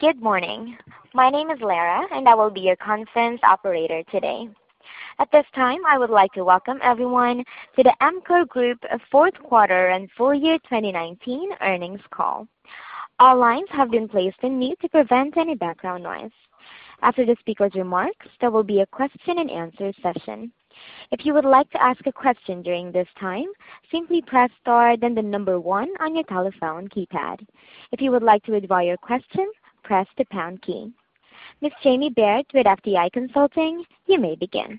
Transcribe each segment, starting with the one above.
Good morning. My name is Lara, and I will be your conference operator today. At this time, I would like to welcome everyone to the EMCOR Group fourth quarter and full year 2019 earnings call. All lines have been placed in mute to prevent any background noise. After the speaker's remarks, there will be a question and answer session. If you would like to ask a question during this time, simply press star, then the number one on your telephone keypad. If you would like to withdraw your question, press the pound key. Ms. Jamie Baird with FTI Consulting, you may begin.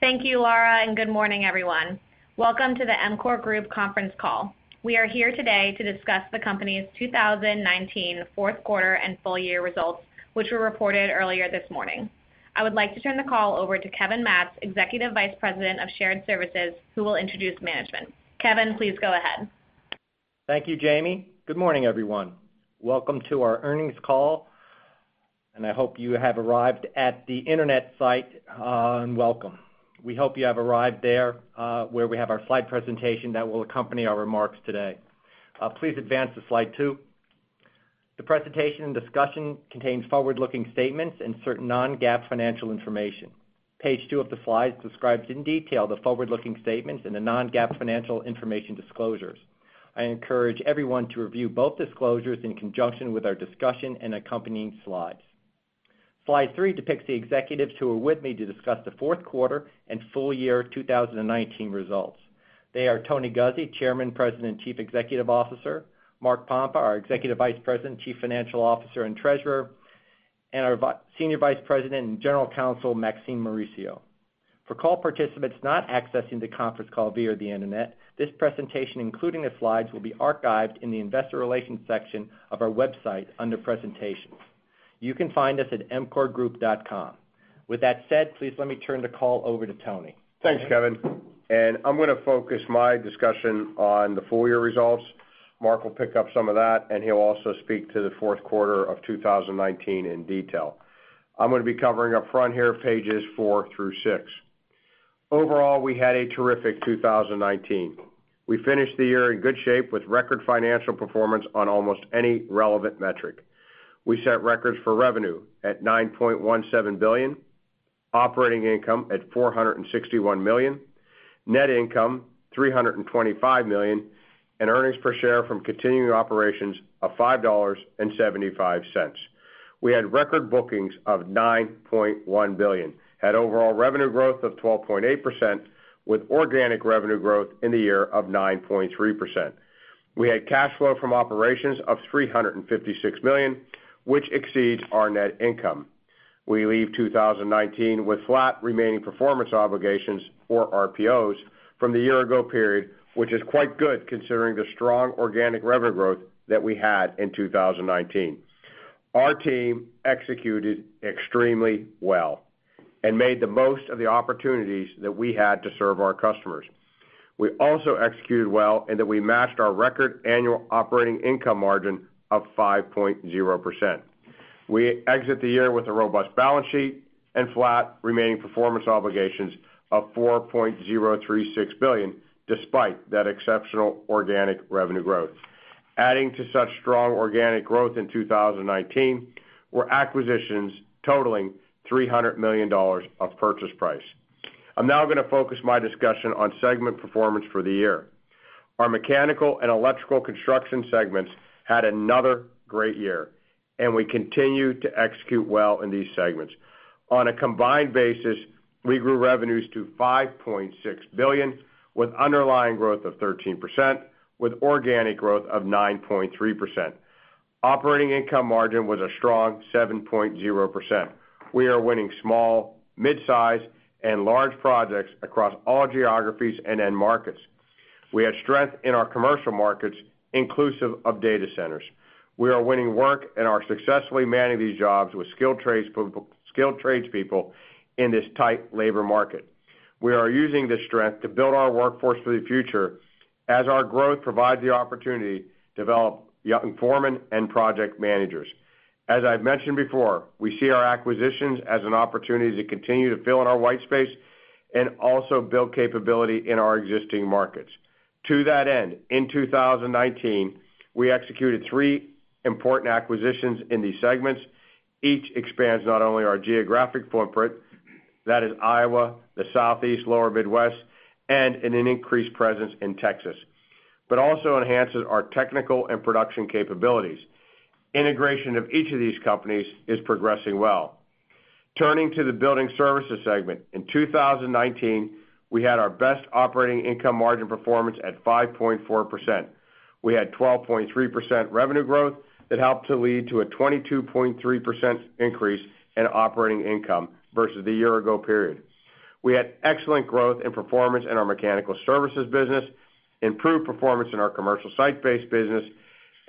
Thank you, Lara. Good morning, everyone. Welcome to the EMCOR Group conference call. We are here today to discuss the company's 2019 fourth quarter and full year results, which were reported earlier this morning. I would like to turn the call over to Kevin Matz, Executive Vice President of Shared Services, who will introduce management. Kevin, please go ahead. Thank you, Jamie. Good morning, everyone. Welcome to our earnings call. I hope you have arrived at the internet site. Welcome. We hope you have arrived there, where we have our slide presentation that will accompany our remarks today. Please advance to slide two. The presentation and discussion contains forward-looking statements and certain non-GAAP financial information. Page two of the slides describes in detail the forward-looking statements and the non-GAAP financial information disclosures. I encourage everyone to review both disclosures in conjunction with our discussion and accompanying slides. Slide three depicts the executives who are with me to discuss the fourth quarter and full year 2019 results. They are Tony Guzzi, Chairman, President, and Chief Executive Officer. Mark Pompa, our Executive Vice President, Chief Financial Officer, and Treasurer, and our Senior Vice President and General Counsel, Maxine Mauricio. For call participants not accessing the conference call via the internet, this presentation, including the slides, will be archived in the investor relations section of our website under presentations. You can find us at emcorgroup.com. With that said, please let me turn the call over to Tony. Thanks, Kevin. I'm going to focus my discussion on the full year results. Mark will pick up some of that, and he'll also speak to the fourth quarter of 2019 in detail. I'm going to be covering up front here pages four through six. Overall, we had a terrific 2019. We finished the year in good shape with record financial performance on almost any relevant metric. We set records for revenue at $9.17 billion, operating income at $461 million, net income $325 million, and earnings per share from continuing operations of $5.75. We had record bookings of $9.1 billion, had overall revenue growth of 12.8% with organic revenue growth in the year of 9.3%. We had cash flow from operations of $356 million, which exceeds our net income. We leave 2019 with flat remaining performance obligations or RPOs from the year-ago period, which is quite good considering the strong organic revenue growth that we had in 2019. Our team executed extremely well and made the most of the opportunities that we had to serve our customers. We also executed well in that we matched our record annual operating income margin of 5.0%. We exit the year with a robust balance sheet and flat remaining performance obligations of $4.036 billion, despite that exceptional organic revenue growth. Adding to such strong organic growth in 2019 were acquisitions totaling $300 million of purchase price. I'm now going to focus my discussion on segment performance for the year. Our Mechanical and Electrical Construction segments had another great year, and we continue to execute well in these segments. On a combined basis, we grew revenues to $5.6 billion with underlying growth of 13%, with organic growth of 9.3%. Operating income margin was a strong 7.0%. We are winning small, mid-size, and large projects across all geographies and end markets. We had strength in our commercial markets, inclusive of data centers. We are winning work and are successfully manning these jobs with skilled tradespeople in this tight labor market. We are using this strength to build our workforce for the future as our growth provides the opportunity to develop young foremen and project managers. As I've mentioned before, we see our acquisitions as an opportunity to continue to fill in our white space and also build capability in our existing markets. To that end, in 2019, we executed three important acquisitions in these segments. Each expands not only our geographic footprint, that is Iowa, the Southeast, Lower Midwest, and in an increased presence in Texas, but also enhances our technical and production capabilities. Integration of each of these companies is progressing well. Turning to the Building Services segment. In 2019, we had our best operating income margin performance at 5.4%. We had 12.3% revenue growth that helped to lead to a 22.3% increase in operating income versus the year ago period. We had excellent growth and performance in our mechanical services business, improved performance in our commercial site-based business,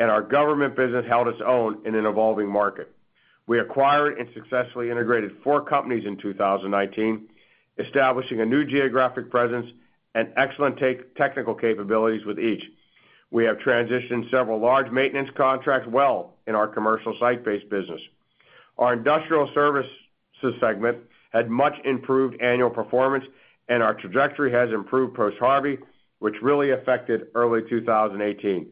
and our government business held its own in an evolving market. We acquired and successfully integrated four companies in 2019, establishing a new geographic presence and excellent technical capabilities with each. We have transitioned several large maintenance contracts well in our commercial site-based business. Our Industrial Services segment had much improved annual performance, and our trajectory has improved post-Harvey, which really affected early 2018.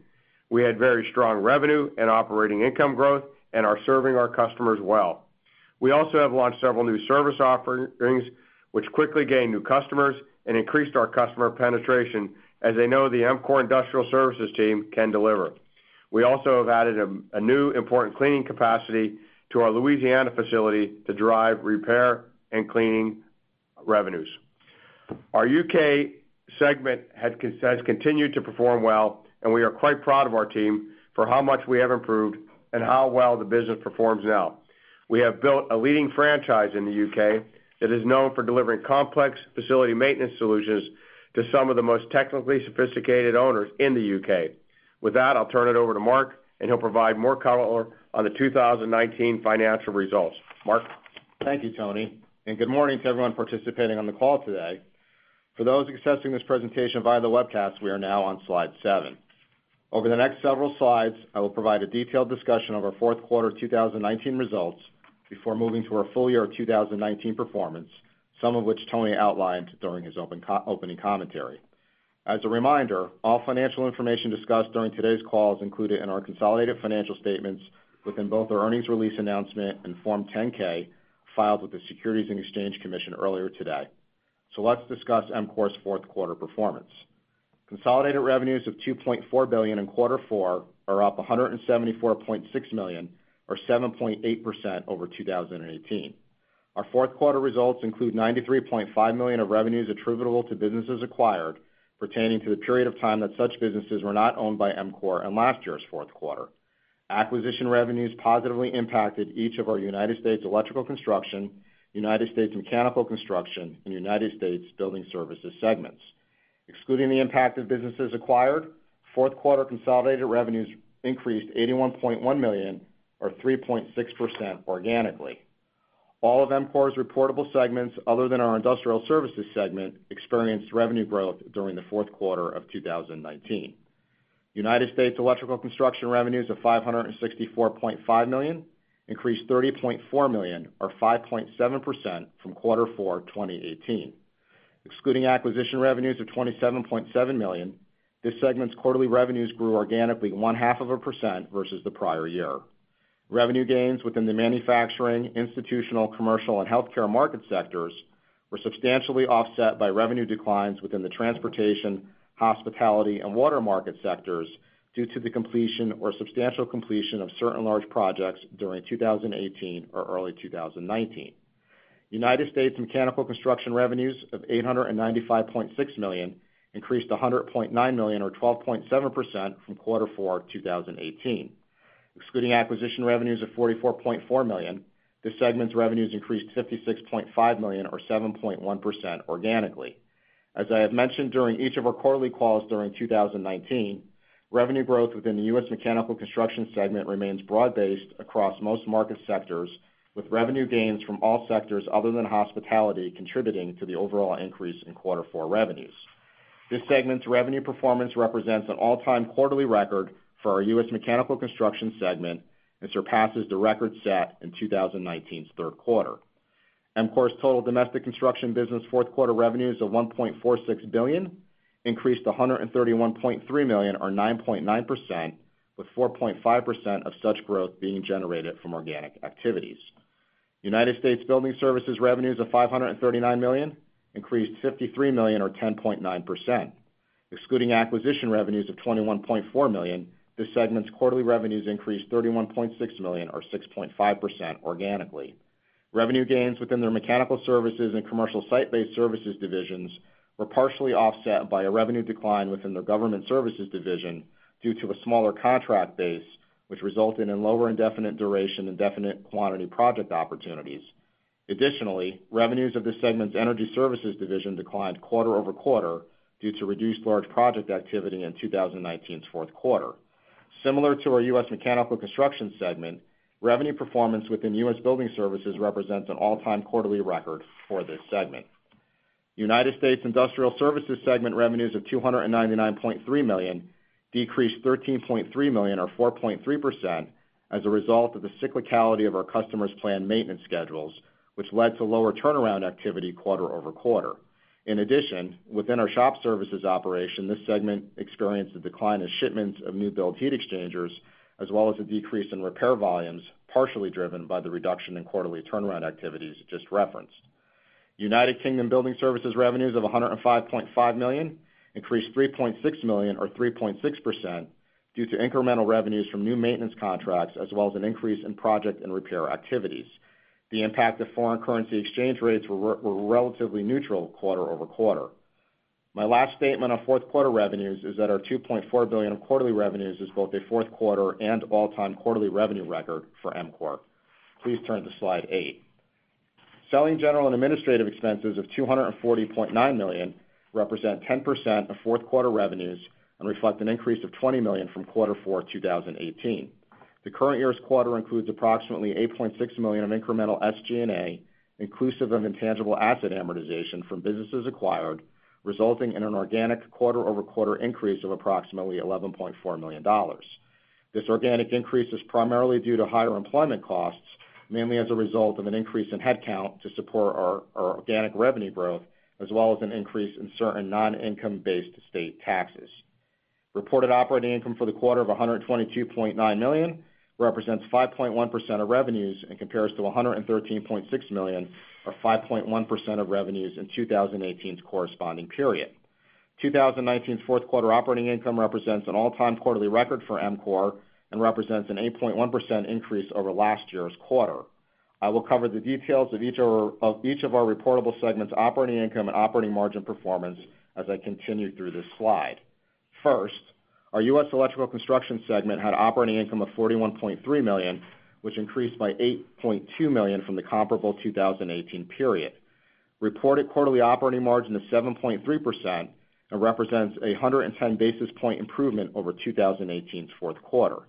We had very strong revenue and operating income growth and are serving our customers well. We also have launched several new service offerings, which quickly gained new customers and increased our customer penetration as they know the EMCOR Industrial Services team can deliver. We also have added a new important cleaning capacity to our Louisiana facility to drive repair and cleaning revenues. Our U.K. segment has continued to perform well, and we are quite proud of our team for how much we have improved and how well the business performs now. We have built a leading franchise in the U.K. that is known for delivering complex facility maintenance solutions to some of the most technically sophisticated owners in the U.K. With that, I'll turn it over to Mark. He'll provide more color on the 2019 financial results. Mark? Thank you, Tony, and good morning to everyone participating on the call today. For those accessing this presentation via the webcast, we are now on slide seven. Over the next several slides, I will provide a detailed discussion of our fourth quarter 2019 results before moving to our full year 2019 performance, some of which Tony outlined during his opening commentary. As a reminder, all financial information discussed during today's call is included in our consolidated financial statements within both our earnings release announcement and Form 10-K filed with the Securities and Exchange Commission earlier today. Let's discuss EMCOR's fourth quarter performance. Consolidated revenues of $2.4 billion in quarter four are up $174.6 million or 7.8% over 2018. Our fourth quarter results include $93.5 million of revenues attributable to businesses acquired pertaining to the period of time that such businesses were not owned by EMCOR in last year's fourth quarter. Acquisition revenues positively impacted each of our United States Electrical Construction, United States Mechanical Construction, and United States Building Services segments. Excluding the impact of businesses acquired, fourth quarter consolidated revenues increased $81.1 million or 3.6% organically. All of EMCOR's reportable segments other than our Industrial Services segment experienced revenue growth during the fourth quarter of 2019. United States Electrical Construction revenues of $564.5 million increased $30.4 million or 5.7% from quarter four 2018. Excluding acquisition revenues of $27.7 million, this segment's quarterly revenues grew organically 0.5% Versus the prior year. Revenue gains within the manufacturing, institutional, commercial, and healthcare market sectors were substantially offset by revenue declines within the transportation, hospitality, and water market sectors due to the completion or substantial completion of certain large projects during 2018 or early 2019. United States Mechanical Construction revenues of $895.6 million increased $100.9 million or 12.7% from quarter four 2018. Excluding acquisition revenues of $44.4 million, this segment's revenues increased $56.5 million or 7.1% organically. As I have mentioned during each of our quarterly calls during 2019, revenue growth within the U.S. Mechanical Construction segment remains broad-based across most market sectors, with revenue gains from all sectors other than hospitality contributing to the overall increase in quarter four revenues. This segment's revenue performance represents an all-time quarterly record for our U.S. Mechanical Construction segment and surpasses the record set in 2019's third quarter. EMCOR's total domestic construction business fourth quarter revenues of $1.46 billion increased $131.3 million or 9.9%, with 4.5% of such growth being generated from organic activities. United States Building Services revenues of $539 million increased $53 million or 10.9%. Excluding acquisition revenues of $21.4 million, this segment's quarterly revenues increased $31.6 million or 6.5% organically. Revenue gains within their mechanical services and commercial site-based services divisions were partially offset by a revenue decline within their government services division due to a smaller contract base, which resulted in lower indefinite duration and definite quantity project opportunities. Additionally, revenues of this segment's energy services division declined quarter-over-quarter due to reduced large project activity in 2019's fourth quarter. Similar to our U.S. Mechanical Construction segment, revenue performance within U.S. Building Services represents an all-time quarterly record for this segment. United States Industrial Services segment revenues of $299.3 million decreased $13.3 million or 4.3% as a result of the cyclicality of our customers' planned maintenance schedules, which led to lower turnaround activity quarter-over-quarter. In addition, within our shop services operation, this segment experienced a decline in shipments of new build heat exchangers, as well as a decrease in repair volumes, partially driven by the reduction in quarterly turnaround activities just referenced. United Kingdom Building Services revenues of $105.5 million increased $3.6 million or 3.6% due to incremental revenues from new maintenance contracts as well as an increase in project and repair activities. The impact of foreign currency exchange rates were relatively neutral quarter-over-quarter. My last statement on fourth quarter revenues is that our $2.4 billion of quarterly revenues is both a fourth quarter and all-time quarterly revenue record for EMCOR. Please turn to slide eight. Selling general and administrative expenses of $240.9 million represent 10% of fourth quarter revenues and reflect an increase of $20 million from quarter four 2018. The current year's quarter includes approximately $8.6 million of incremental SG&A inclusive of intangible asset amortization from businesses acquired, resulting in an organic quarter-over-quarter increase of approximately $11.4 million. This organic increase is primarily due to higher employment costs, mainly as a result of an increase in headcount to support our organic revenue growth, as well as an increase in certain non-income-based state taxes. Reported operating income for the quarter of $122.9 million represents 5.1% of revenues and compares to $113.6 million or 5.1% of revenues in 2018's corresponding period. 2019's fourth quarter operating income represents an all-time quarterly record for EMCOR and represents an 8.1% increase over last year's quarter. I will cover the details of each of our reportable segments' operating income and operating margin performance as I continue through this slide. First, our U.S. Electrical Construction segment had operating income of $41.3 million, which increased by $8.2 million from the comparable 2018 period. Reported quarterly operating margin of 7.3% and represents a 110 basis point improvement over 2018's fourth quarter.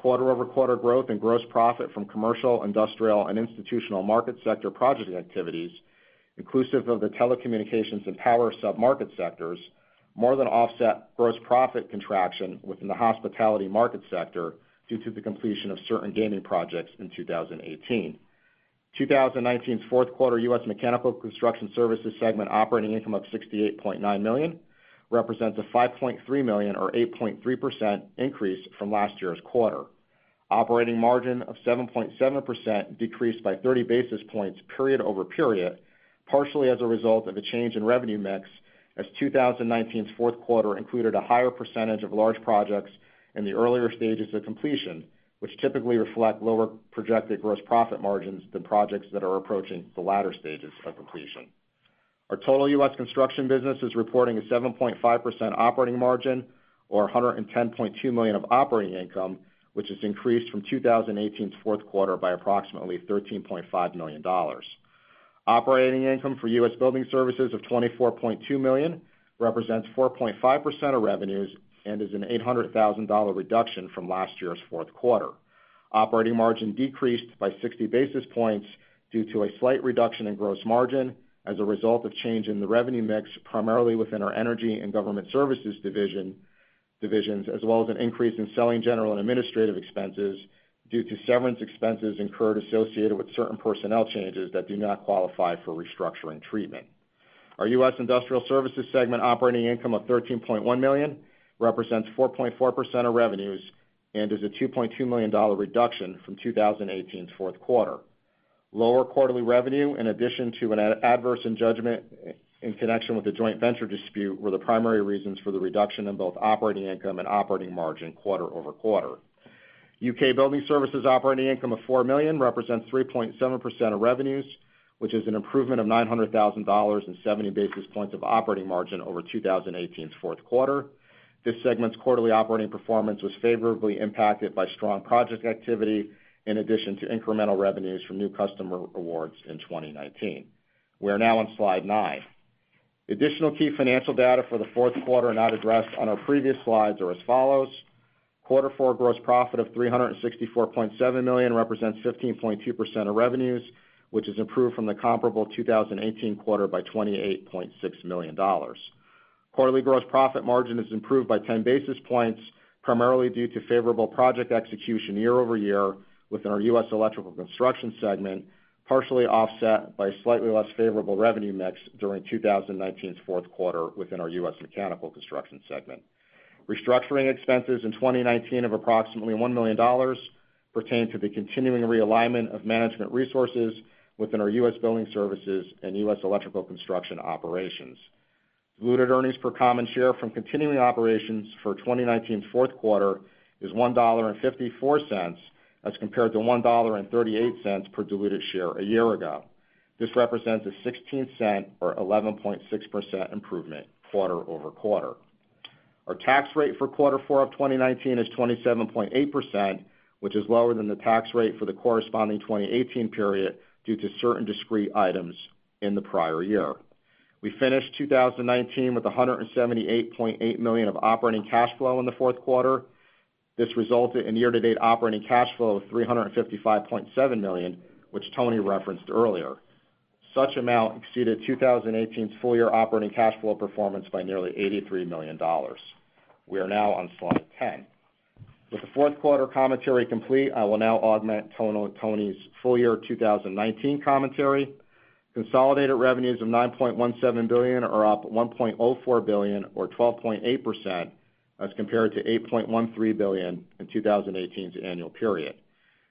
Quarter-over-quarter growth in gross profit from commercial, industrial, and institutional market sector project activities, inclusive of the telecommunications and power sub-market sectors, more than offset gross profit contraction within the hospitality market sector due to the completion of certain gaming projects in 2018. 2019's fourth quarter U.S. Mechanical Construction Services segment operating income of $68.9 million represents a $5.3 million or 8.3% increase from last year's quarter. Operating margin of 7.7% decreased by 30 basis points period over period, partially as a result of a change in revenue mix as 2019's fourth quarter included a higher percentage of large projects in the earlier stages of completion, which typically reflect lower projected gross profit margins than projects that are approaching the latter stages of completion. Our total U.S. construction business is reporting a 7.5% operating margin or $110.2 million of operating income, which has increased from 2018's fourth quarter by approximately $13.5 million. Operating income for U.S. Building Services of $24.2 million represents 4.5% of revenues and is an $800,000 reduction from last year's fourth quarter. Operating margin decreased by 60 basis points due to a slight reduction in gross margin as a result of change in the revenue mix, primarily within our Energy and Government Services divisions, as well as an increase in Selling, General and Administrative Expenses due to severance expenses incurred associated with certain personnel changes that do not qualify for restructuring treatment. Our U.S. Industrial Services segment operating income of $13.1 million represents 4.4% of revenues and is a $2.2 million reduction from 2018's fourth quarter. Lower quarterly revenue in addition to an adverse judgment in connection with the joint venture dispute were the primary reasons for the reduction in both operating income and operating margin quarter-over-quarter. U.K. Building Services operating income of $4 million represents 3.7% of revenues, which is an improvement of $900,000 and 70 basis points of operating margin over 2018's fourth quarter. This segment's quarterly operating performance was favorably impacted by strong project activity in addition to incremental revenues from new customer awards in 2019. We are now on slide nine. Additional key financial data for the fourth quarter not addressed on our previous slides are as follows. Quarter four gross profit of $364.7 million represents 15.2% of revenues, which has improved from the comparable 2018 quarter by $28.6 million. Quarterly gross profit margin has improved by 10 basis points, primarily due to favorable project execution year-over-year within our U.S. Electrical Construction segment, partially offset by slightly less favorable revenue mix during 2019's fourth quarter within our U.S. Mechanical Construction segment. Restructuring expenses in 2019 of approximately $1 million pertain to the continuing realignment of management resources within our U.S. Building Services and U.S. Electrical Construction operations. Diluted earnings per common share from continuing operations for 2019's fourth quarter is $1.54 as compared to $1.38 per diluted share a year ago. This represents a $0.16 or 11.6% improvement quarter-over-quarter. Our tax rate for quarter four of 2019 is 27.8%, which is lower than the tax rate for the corresponding 2018 period due to certain discrete items in the prior year. We finished 2019 with $178.8 million of operating cash flow in the fourth quarter. This resulted in year-to-date operating cash flow of $355.7 million, which Tony referenced earlier. Such amount exceeded 2018's full-year operating cash flow performance by nearly $83 million. We are now on slide 10. With the fourth quarter commentary complete, I will now augment Tony's full-year 2019 commentary. Consolidated revenues of $9.17 billion are up $1.04 billion or 12.8% as compared to $8.13 billion in 2018's annual period.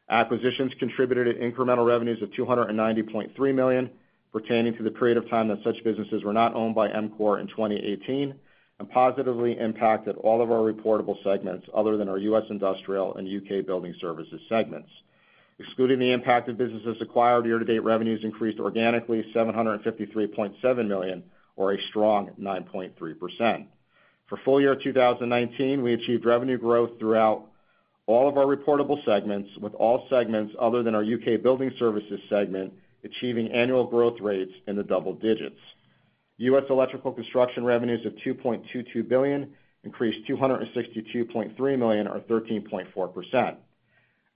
Acquisitions contributed to incremental revenues of $290.3 million pertaining to the period of time that such businesses were not owned by EMCOR in 2018 and positively impacted all of our reportable segments other than our U.S. Industrial and U.K. Building Services segments. Excluding the impact of businesses acquired, year-to-date revenues increased organically $753.7 million or a strong 9.3%. For full-year 2019, we achieved revenue growth throughout all of our reportable segments, with all segments other than our U.K. Building Services segment achieving annual growth rates in the double digits. U.S. Electrical Construction revenues of $2.22 billion increased $262.3 million or 13.4%.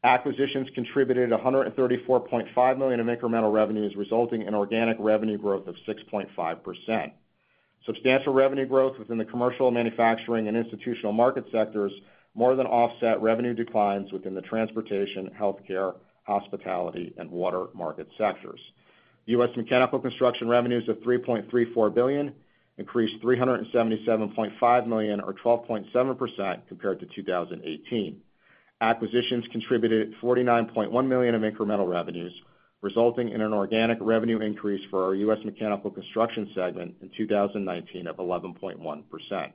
Acquisitions contributed $134.5 million of incremental revenues, resulting in organic revenue growth of 6.5%. Substantial revenue growth within the commercial manufacturing and institutional market sectors more than offset revenue declines within the transportation, healthcare, hospitality, and water market sectors. The U.S. Mechanical Construction revenues of $3.34 billion increased $377.5 million or 12.7% compared to 2018. Acquisitions contributed $49.1 million in incremental revenues, resulting in an organic revenue increase for our U.S. Mechanical Construction segment in 2019 of 11.1%.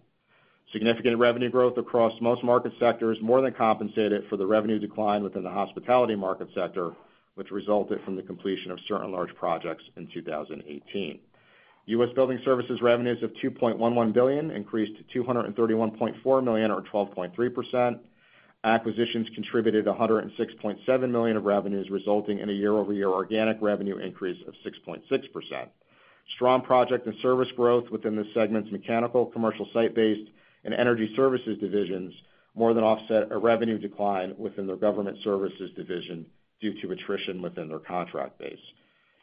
Significant revenue growth across most market sectors more than compensated for the revenue decline within the hospitality market sector, which resulted from the completion of certain large projects in 2018. U.S. Building Services revenues of $2.11 billion increased to $31.4 million or 12.3%. Acquisitions contributed $106.7 million of revenues, resulting in a year-over-year organic revenue increase of 6.6%. Strong project and service growth within the segment's mechanical, commercial site-based, and energy services divisions more than offset a revenue decline within their government services division due to attrition within their contract base.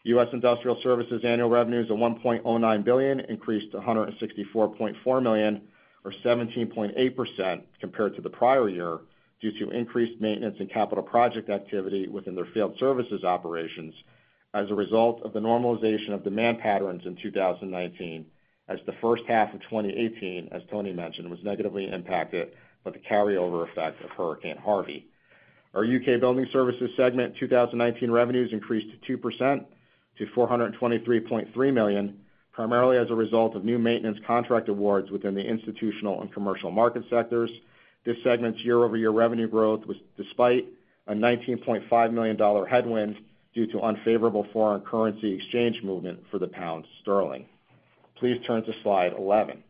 U.S. Industrial Services annual revenues of $1.09 billion increased $164.4 million or 17.8% compared to the prior year due to increased maintenance and capital project activity within their field services operations as a result of the normalization of demand patterns in 2019 as the first half of 2018, as Tony mentioned, was negatively impacted by the carryover effect of Hurricane Harvey. Our United Kingdom Building Services segment 2019 revenues increased 2% to $423.3 million, primarily as a result of new maintenance contract awards within the institutional and commercial market sectors. This segment's year-over-year revenue growth was despite a $19.5 million headwind due to unfavorable foreign currency exchange movement for the pound sterling. Please turn to slide 11.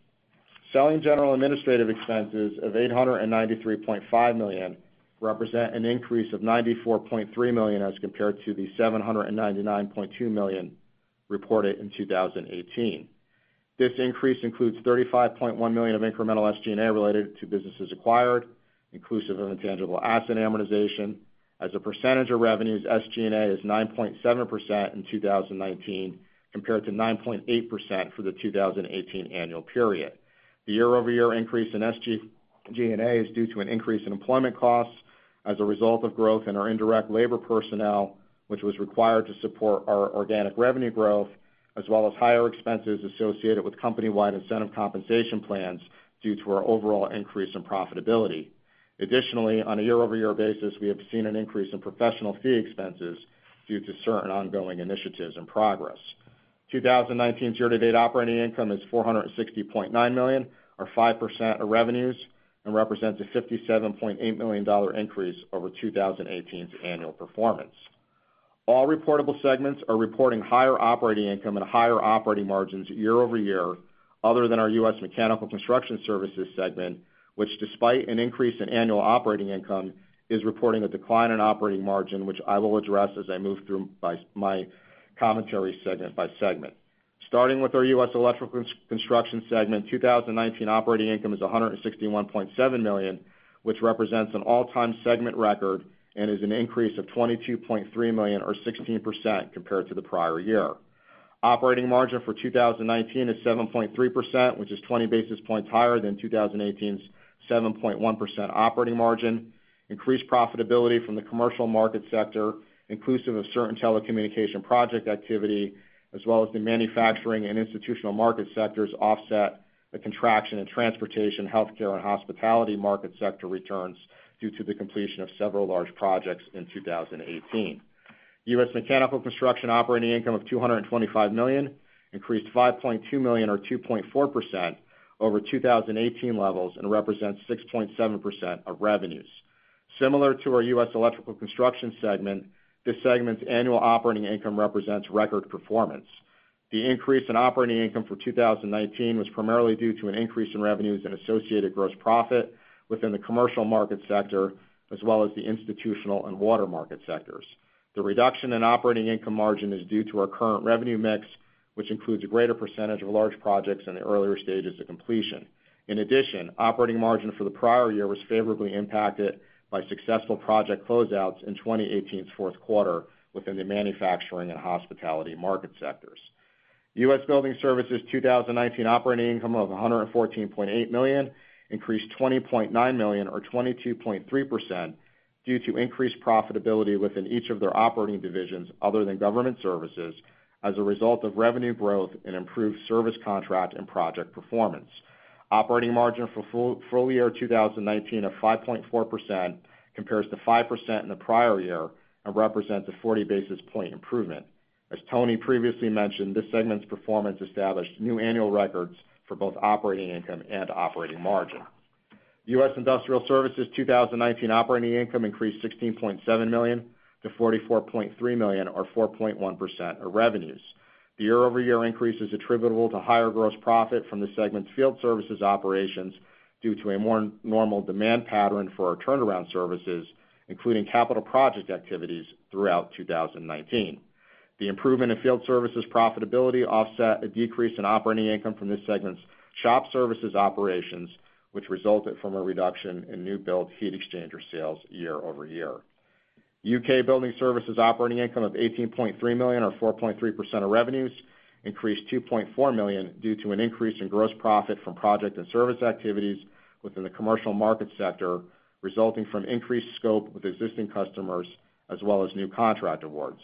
Selling, General. Administrative expenses of $893.5 million represent an increase of $94.3 million as compared to the $799.2 million reported in 2018. This increase includes $35.1 million of incremental SG&A related to businesses acquired, inclusive of intangible asset amortization. As a percentage of revenues, SG&A is 9.7% in 2019 compared to 9.8% for the 2018 annual period. The year-over-year increase in SG&A is due to an increase in employment costs as a result of growth in our indirect labor personnel, which was required to support our organic revenue growth, as well as higher expenses associated with company-wide incentive compensation plans due to our overall increase in profitability. Additionally, on a year-over-year basis, we have seen an increase in professional fee expenses due to certain ongoing initiatives and progress. 2019's year-to-date operating income is $460.9 million or 5% of revenues and represents a $57.8 million increase over 2018's annual performance. All reportable segments are reporting higher operating income and higher operating margins year-over-year other than our U.S. Mechanical Construction segment, which despite an increase in annual operating income, is reporting a decline in operating margin, which I will address as I move through my commentary segment by segment. Starting with our U.S. Electrical Construction segment, 2019 operating income is $161.7 million, which represents an all-time segment record and is an increase of $22.3 million or 16% compared to the prior year. Operating margin for 2019 is 7.3%, which is 20 basis points higher than 2018's 7.1% operating margin. Increased profitability from the commercial market sector, inclusive of certain telecommunication project activity, as well as the manufacturing and institutional market sectors offset the contraction in transportation, healthcare, and hospitality market sector returns due to the completion of several large projects in 2018. U.S. Mechanical Construction operating income of $225 million increased $5.2 million or 2.4% over 2018 levels and represents 6.7% of revenues. Similar to our U.S. Electrical Construction segment, this segment's annual operating income represents record performance. The increase in operating income for 2019 was primarily due to an increase in revenues and associated gross profit within the commercial market sector, as well as the institutional and water market sectors. The reduction in operating income margin is due to our current revenue mix, which includes a greater percentage of large projects in the earlier stages of completion. In addition, operating margin for the prior year was favorably impacted by successful project closeouts in 2018's fourth quarter within the manufacturing and hospitality market sectors. U.S. Building Services 2019 operating income of $114.8 million increased $20.9 million or 22.3% due to increased profitability within each of their operating divisions other than government services as a result of revenue growth and improved service contract and project performance. Operating margin for full year 2019 of 5.4% compares to 5% in the prior year and represents a 40 basis point improvement. As Tony previously mentioned, this segment's performance established new annual records for both operating income and operating margin. U.S. Industrial Services 2019 operating income increased $16.7 million to $44.3 million or 4.1% of revenues. The year-over-year increase is attributable to higher gross profit from the segment's field services operations due to a more normal demand pattern for our turnaround services, including capital project activities throughout 2019. The improvement in field services profitability offset a decrease in operating income from this segment's shop services operations, which resulted from a reduction in new build heat exchanger sales year-over-year. U.K. Building Services operating income of $18.3 million or 4.3% of revenues increased $2.4 million due to an increase in gross profit from project and service activities within the commercial market sector, resulting from increased scope with existing customers as well as new contract awards.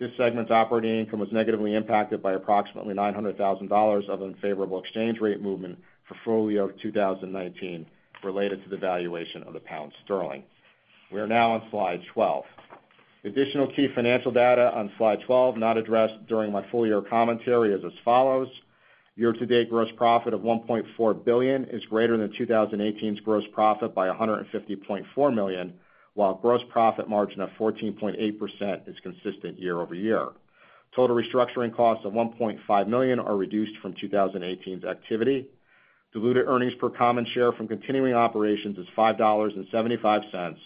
This segment's operating income was negatively impacted by approximately $900,000 of unfavorable exchange rate movement for full year of 2019 related to the valuation of the pound sterling. We are now on slide 12. Additional key financial data on slide 12, not addressed during my full year commentary is as follows. Year-to-date gross profit of $1.4 billion is greater than 2018's gross profit by $150.4 million, while gross profit margin of 14.8% is consistent year-over-year. Total restructuring costs of $1.5 million are reduced from 2018's activity. Diluted earnings per common share from continuing operations is $5.75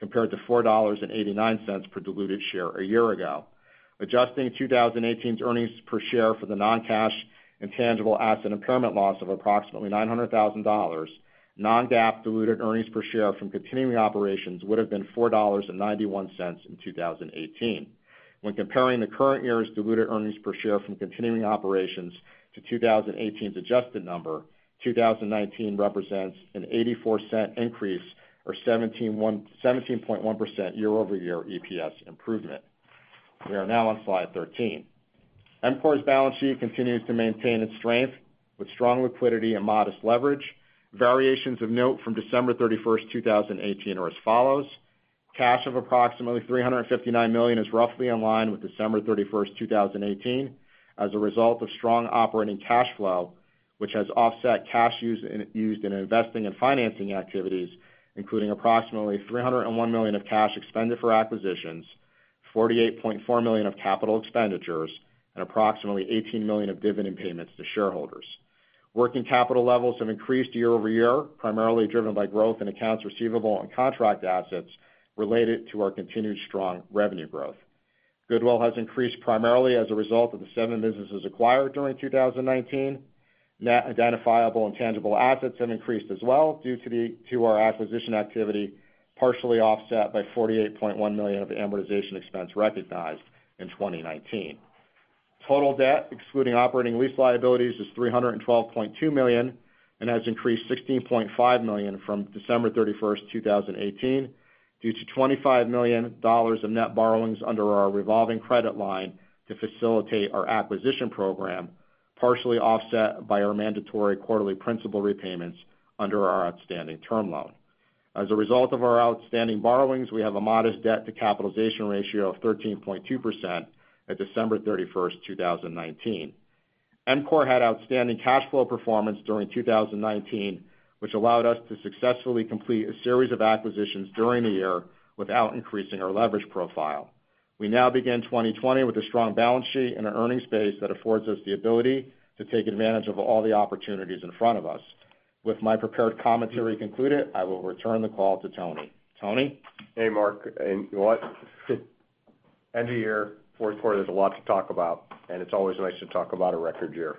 compared to $4.89 per diluted share a year ago. Adjusting 2018's earnings per share for the non-cash and tangible asset impairment loss of approximately $900,000, non-GAAP diluted earnings per share from continuing operations would've been $4.91 in 2018. When comparing the current year's diluted earnings per share from continuing operations to 2018's adjusted number, 2019 represents an $0.84 increase or 17.1% year-over-year EPS improvement. We are now on slide 13. EMCOR's balance sheet continues to maintain its strength with strong liquidity and modest leverage. Variations of note from December 31st, 2018 are as follows. Cash of approximately $359 million is roughly in line with December 31st, 2018 as a result of strong operating cash flow, which has offset cash used in investing and financing activities, including approximately $301 million of cash expended for acquisitions, $48.4 million of capital expenditures, and approximately $18 million of dividend payments to shareholders. Working capital levels have increased year-over-year, primarily driven by growth in accounts receivable and contract assets related to our continued strong revenue growth. Goodwill has increased primarily as a result of the seven businesses acquired during 2019. Net identifiable and tangible assets have increased as well due to our acquisition activity, partially offset by $48.1 million of amortization expense recognized in 2019. Total debt excluding operating lease liabilities is $312.2 million and has increased $16.5 million from December 31st, 2018 due to $25 million of net borrowings under our revolving credit line to facilitate our acquisition program, partially offset by our mandatory quarterly principal repayments under our outstanding term loan. As a result of our outstanding borrowings, we have a modest debt to capitalization ratio of 13.2% at December 31st, 2019. EMCOR had outstanding cash flow performance during 2019, which allowed us to successfully complete a series of acquisitions during the year without increasing our leverage profile. We now begin 2020 with a strong balance sheet and an earnings base that affords us the ability to take advantage of all the opportunities in front of us. With my prepared commentary concluded, I will return the call to Tony. Tony? Hey, Mark. You know what? End of year, fourth quarter, there's a lot to talk about, and it's always nice to talk about a record year.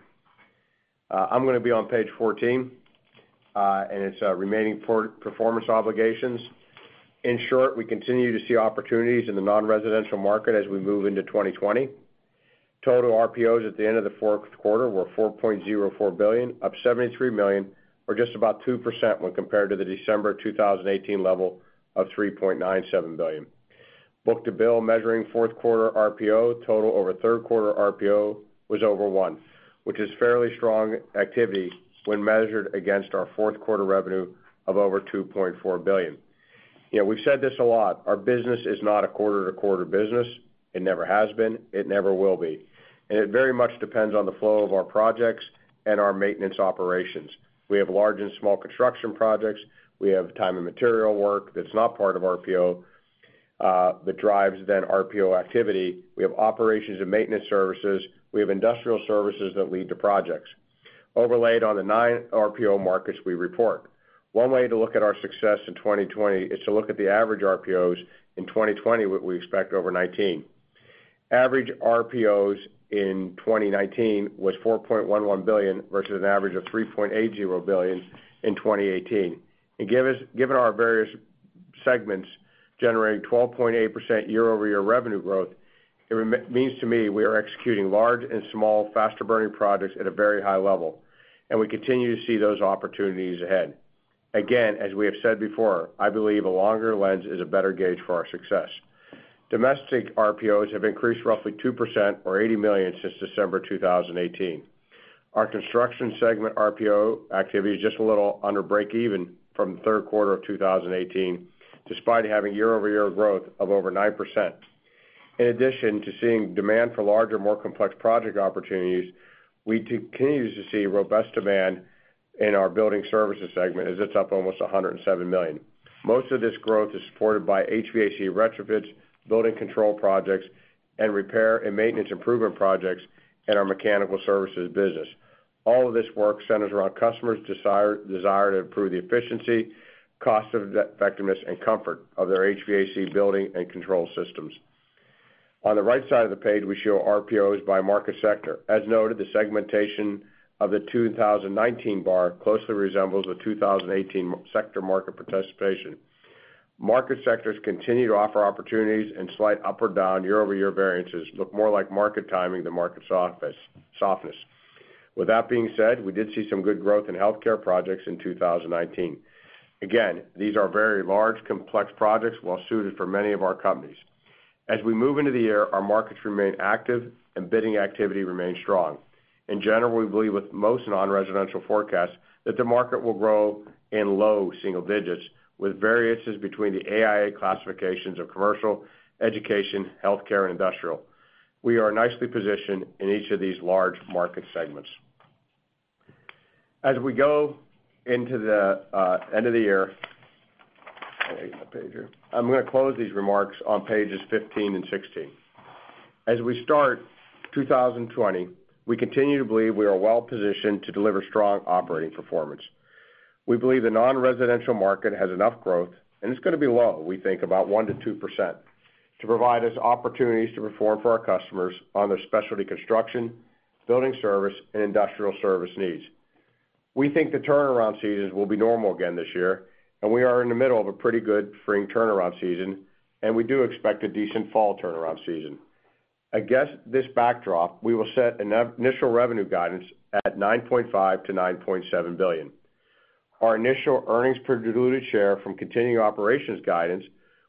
I'm gonna be on page 14, and it's remaining performance obligations. In short, we continue to see opportunities in the non-residential market as we move into 2020. Total RPOs at the end of the fourth quarter were $4.04 billion, up $73 million or just about 2% when compared to the December 2018 level of $3.97 billion. Book-to-bill measuring fourth quarter RPO total over third quarter RPO was over one, which is fairly strong activity when measured against our fourth quarter revenue of over $2.4 billion. We've said this a lot. Our business is not a quarter-to-quarter business. It never has been. It never will be. It very much depends on the flow of our projects and our maintenance operations. We have large and small construction projects. We have time and material work that's not part of RPO, that drives then RPO activity. We have operations and maintenance services. We have industrial services that lead to projects. Overlaid on the nine RPO markets we report. One way to look at our success in 2020 is to look at the average RPOs in 2020, what we expect over 2019. Average RPOs in 2019 was $4.11 billion versus an average of $3.80 billion in 2018. Given our various segments generating 12.8% year-over-year revenue growth, it means to me we are executing large and small faster burning projects at a very high level, and we continue to see those opportunities ahead. Again, as we have said before, I believe a longer lens is a better gauge for our success. Domestic RPOs have increased roughly 2% or $80 million since December 2018. Our construction segment RPO activity is just a little under break even from the third quarter of 2018, despite having year-over-year growth of over 9%. In addition to seeing demand for larger, more complex project opportunities, we continue to see robust demand in our building services segment as it's up almost $107 million. Most of this growth is supported by HVAC retrofits, building control projects, and repair and maintenance improvement projects in our mechanical services business. All of this work centers around customers' desire to improve the efficiency, cost effectiveness, and comfort of their HVAC building and control systems. On the right side of the page, we show RPOs by market sector. As noted, the segmentation of the 2019 bar closely resembles the 2018 sector market participation. Market sectors continue to offer opportunities, and slight up or down year-over-year variances look more like market timing than market softness. With that being said, we did see some good growth in healthcare projects in 2019. Again, these are very large, complex projects well suited for many of our companies. As we move into the year, our markets remain active and bidding activity remains strong. In general, we believe with most non-residential forecasts that the market will grow in low single digits with variances between the AIA classifications of commercial, education, health care, and industrial. We are nicely positioned in each of these large market segments. As we go into the end of the year, I'm going to close these remarks on pages 15 and 16. As we start 2020, we continue to believe we are well-positioned to deliver strong operating performance. We believe the non-residential market has enough growth, and it's going to be low, we think, about 1%-2%, to provide us opportunities to perform for our customers on their specialty construction, building service, and industrial service needs. We think the turnaround seasons will be normal again this year, and we are in the middle of a pretty good spring turnaround season, and we do expect a decent fall turnaround season. Against this backdrop, we will set initial revenue guidance at $9.5 billion-$9.7 billion. Our initial earnings per diluted share from continuing operations guidance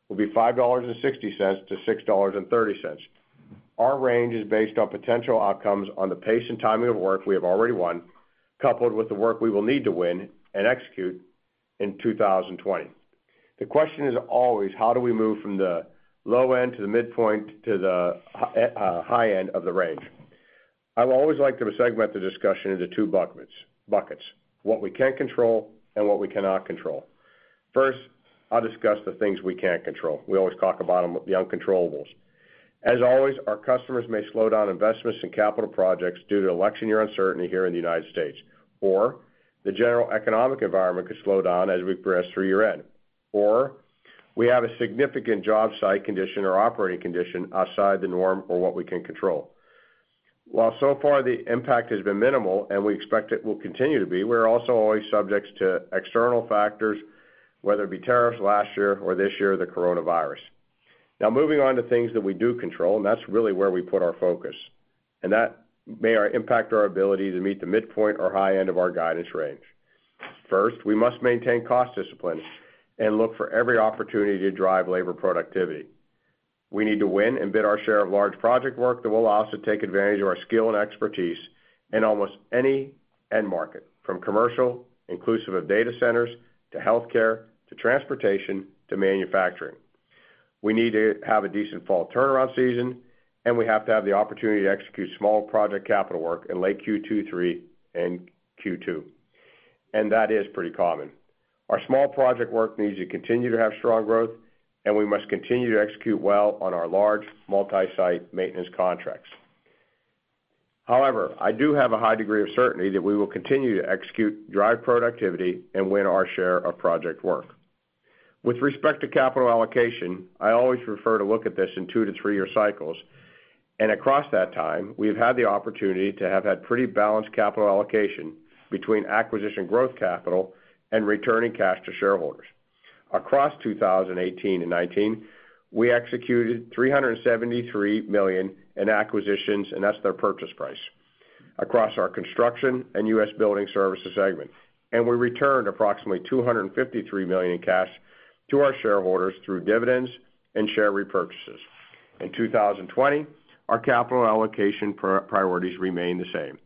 will be $5.60-$6.30. Our range is based on potential outcomes on the pace and timing of work we have already won, coupled with the work we will need to win and execute in 2020. The question is always, how do we move from the low end to the midpoint to the high end of the range? I've always liked to segment the discussion into two buckets: what we can control and what we cannot control. First, I'll discuss the things we can't control. We always talk about the uncontrollables. As always, our customers may slow down investments in capital projects due to election year uncertainty here in the United States. The general economic environment could slow down as we progress through year-end. We have a significant job site condition or operating condition outside the norm or what we can control. While so far the impact has been minimal, and we expect it will continue to be, we're also always subject to external factors, whether it be tariffs last year or this year, the coronavirus. Moving on to things that we do control, and that's really where we put our focus, and that may impact our ability to meet the midpoint or high end of our guidance range. First, we must maintain cost discipline and look for every opportunity to drive labor productivity. We need to win and bid our share of large project work that will allow us to take advantage of our skill and expertise in almost any end market, from commercial, inclusive of data centers, to healthcare, to transportation, to manufacturing. We need to have a decent fall turnaround season, and we have to have the opportunity to execute small project capital work in late Q2, Q3, and Q2. That is pretty common. Our small project work needs to continue to have strong growth, and we must continue to execute well on our large multi-site maintenance contracts. However, I do have a high degree of certainty that we will continue to execute, drive productivity, and win our share of project work. With respect to capital allocation, I always prefer to look at this in two to three-year cycles, and across that time, we've had the opportunity to have had pretty balanced capital allocation between acquisition growth capital and returning cash to shareholders. Across 2018 and 2019, we executed $373 million in acquisitions, and that's their purchase price, across our construction and U.S. Building Services segment. We returned approximately $253 million in cash to our shareholders through dividends and share repurchases. In 2020, our capital allocation priorities remain the same.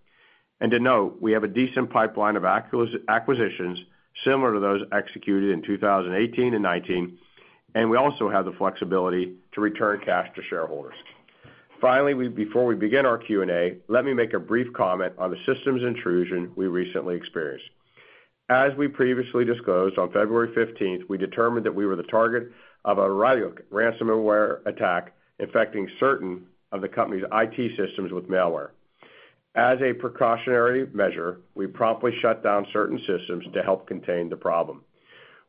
To note, we have a decent pipeline of acquisitions similar to those executed in 2018 and 2019, and we also have the flexibility to return cash to shareholders. Finally, before we begin our Q&A, let me make a brief comment on the systems intrusion we recently experienced. As we previously disclosed, on February 15th, we determined that we were the target of a Ryuk ransomware attack affecting certain of the company's IT systems with malware. As a precautionary measure, we promptly shut down certain systems to help contain the problem.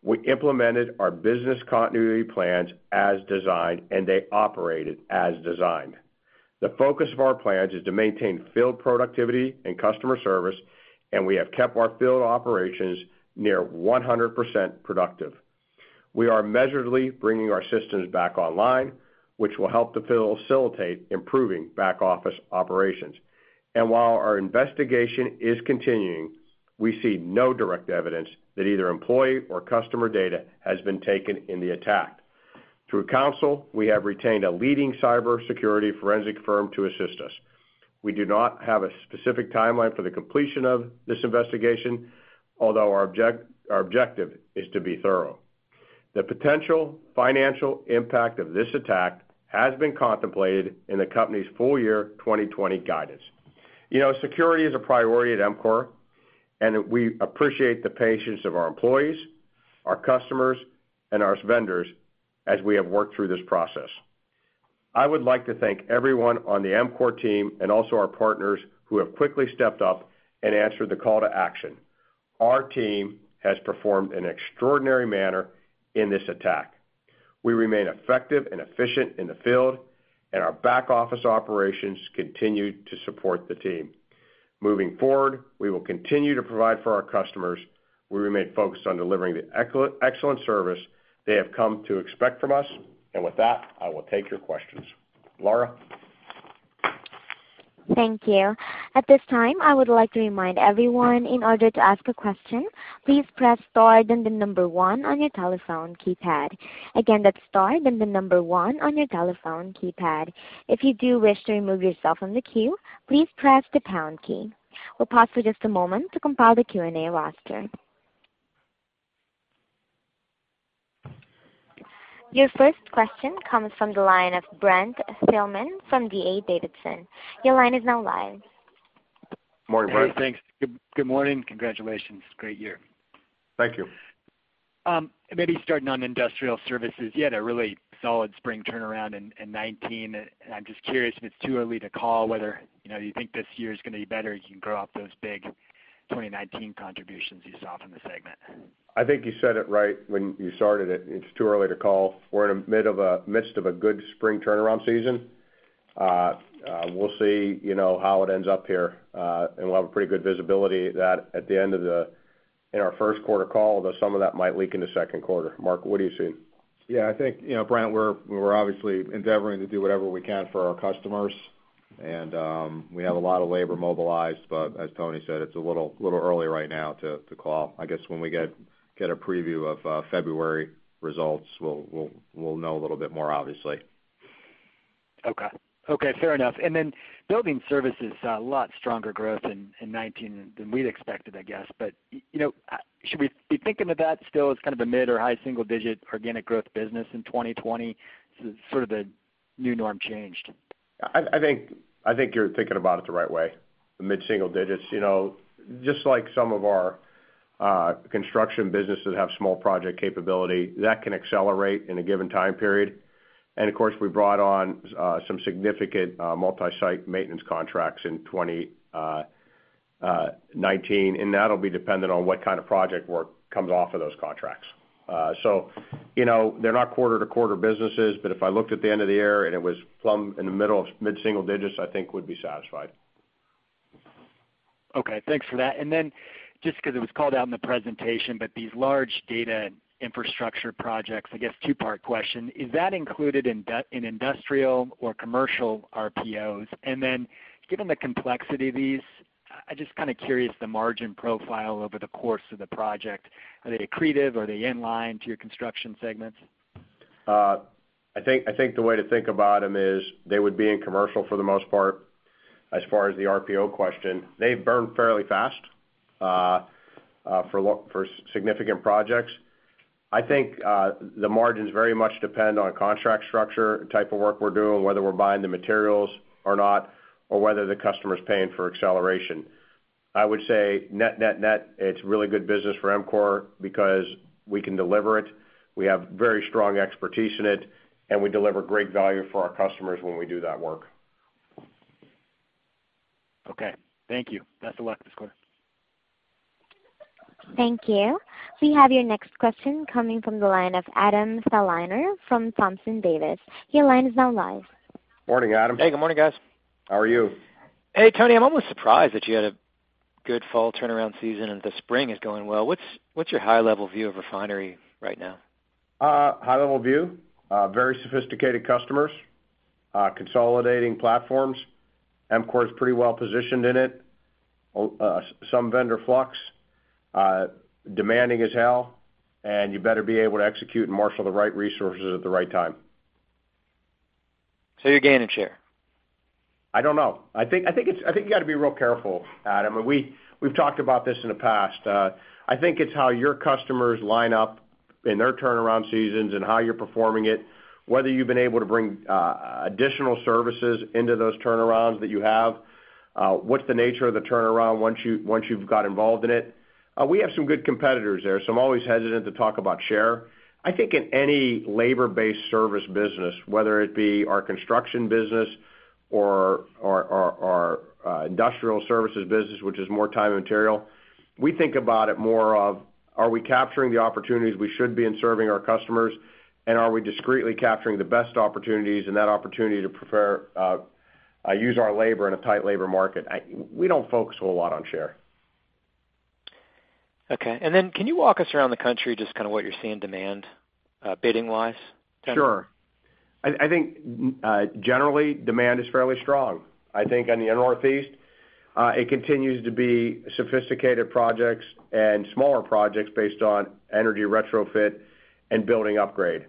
We implemented our business continuity plans as designed. They operated as designed. The focus of our plans is to maintain field productivity and customer service. We have kept our field operations near 100% productive. We are measuredly bringing our systems back online, which will help to facilitate improving back-office operations. While our investigation is continuing, we see no direct evidence that either employee or customer data has been taken in the attack. Through counsel, we have retained a leading cybersecurity forensic firm to assist us. We do not have a specific timeline for the completion of this investigation, although our objective is to be thorough. The potential financial impact of this attack has been contemplated in the company's full year 2020 guidance. Security is a priority at EMCOR, and we appreciate the patience of our employees, our customers, and our vendors as we have worked through this process. I would like to thank everyone on the EMCOR team and also our partners who have quickly stepped up and answered the call to action. Our team has performed in extraordinary manner in this attack. We remain effective and efficient in the field, and our back-office operations continue to support the team. Moving forward, we will continue to provide for our customers. We remain focused on delivering the excellent service they have come to expect from us. With that, I will take your questions. Lara? Thank you. At this time, I would like to remind everyone, in order to ask a question, please press star, then the number one on your telephone keypad. Again, that's star, then the number one on your telephone keypad. If you do wish to remove yourself from the queue, please press the pound key. We'll pause for just a moment to compile the Q&A roster. Your first question comes from the line of Brent Thielman from D.A. Davidson. Your line is now live. Morning, Brent. Hey, thanks. Good morning. Congratulations. Great year. Thank you. Maybe starting on Industrial Services. You had a really solid spring turnaround in 2019. I'm just curious if it's too early to call whether you think this year is going to be better as you can grow off those big 2019 contributions you saw from the segment. I think you said it right when you started it. It's too early to call. We're in a midst of a good spring turnaround season. We'll see how it ends up here. We'll have a pretty good visibility to that in our first quarter call, although some of that might leak into second quarter. Mark, what are you seeing? Yeah, I think, Brent, we're obviously endeavoring to do whatever we can for our customers. We have a lot of labor mobilized. As Tony said, it's a little early right now to call. I guess when we get a preview of February results, we'll know a little bit more, obviously. Okay. Fair enough. Building Services, a lot stronger growth in 2019 than we'd expected, I guess. Should we be thinking of that still as kind of a mid or high single-digit organic growth business in 2020? Has sort of the new norm changed? I think you're thinking about it the right way, the mid single digits. Just like some of our construction businesses have small project capability, that can accelerate in a given time period. Of course, we brought on some significant multi-site maintenance contracts in 2019, and that'll be dependent on what kind of project work comes off of those contracts. They're not quarter-to-quarter businesses, but if I looked at the end of the year and it was plum in the middle of mid single digits, I think we'd be satisfied. Okay, thanks for that. Just because it was called out in the presentation, but these large data infrastructure projects, I guess two-part question. Is that included in industrial or commercial RPOs? Given the complexity of these, I'm just kind of curious the margin profile over the course of the project. Are they accretive? Are they in line to your construction segments? I think the way to think about them is they would be in commercial for the most part, as far as the RPO question. They burn fairly fast for significant projects. I think the margins very much depend on contract structure, type of work we're doing, whether we're buying the materials or not, or whether the customer's paying for acceleration. I would say net, it's really good business for EMCOR because we can deliver it. We have very strong expertise in it, and we deliver great value for our customers when we do that work. Okay. Thank you. Best of luck this quarter. Thank you. We have your next question coming from the line of Adam Thalhimer from Thompson Davis. Your line is now live. Morning, Adam. Hey, good morning, guys. How are you? Hey, Tony, I'm almost surprised that you had a good fall turnaround season, and the spring is going well. What's your high level view of refinery right now? High level view, very sophisticated customers, consolidating platforms. EMCOR is pretty well positioned in it. Some vendor flux. Demanding as hell, and you better be able to execute and marshal the right resources at the right time. You're gaining share? I don't know. I think you got to be real careful, Adam, and we've talked about this in the past. I think it's how your customers line up in their turnaround seasons and how you're performing it, whether you've been able to bring additional services into those turnarounds that you have. What's the nature of the turnaround once you've got involved in it? We have some good competitors there, so I'm always hesitant to talk about share. I think in any labor-based service business, whether it be our construction business or our industrial services business, which is more time and material, we think about it more of are we capturing the opportunities we should be in serving our customers, and are we discreetly capturing the best opportunities and that opportunity to use our labor in a tight labor market? We don't focus a whole lot on share. Okay. Can you walk us around the country, just kind of what you're seeing demand bidding-wise? Sure. I think generally demand is fairly strong. I think in the Northeast, it continues to be sophisticated projects and smaller projects based on energy retrofit and building upgrade.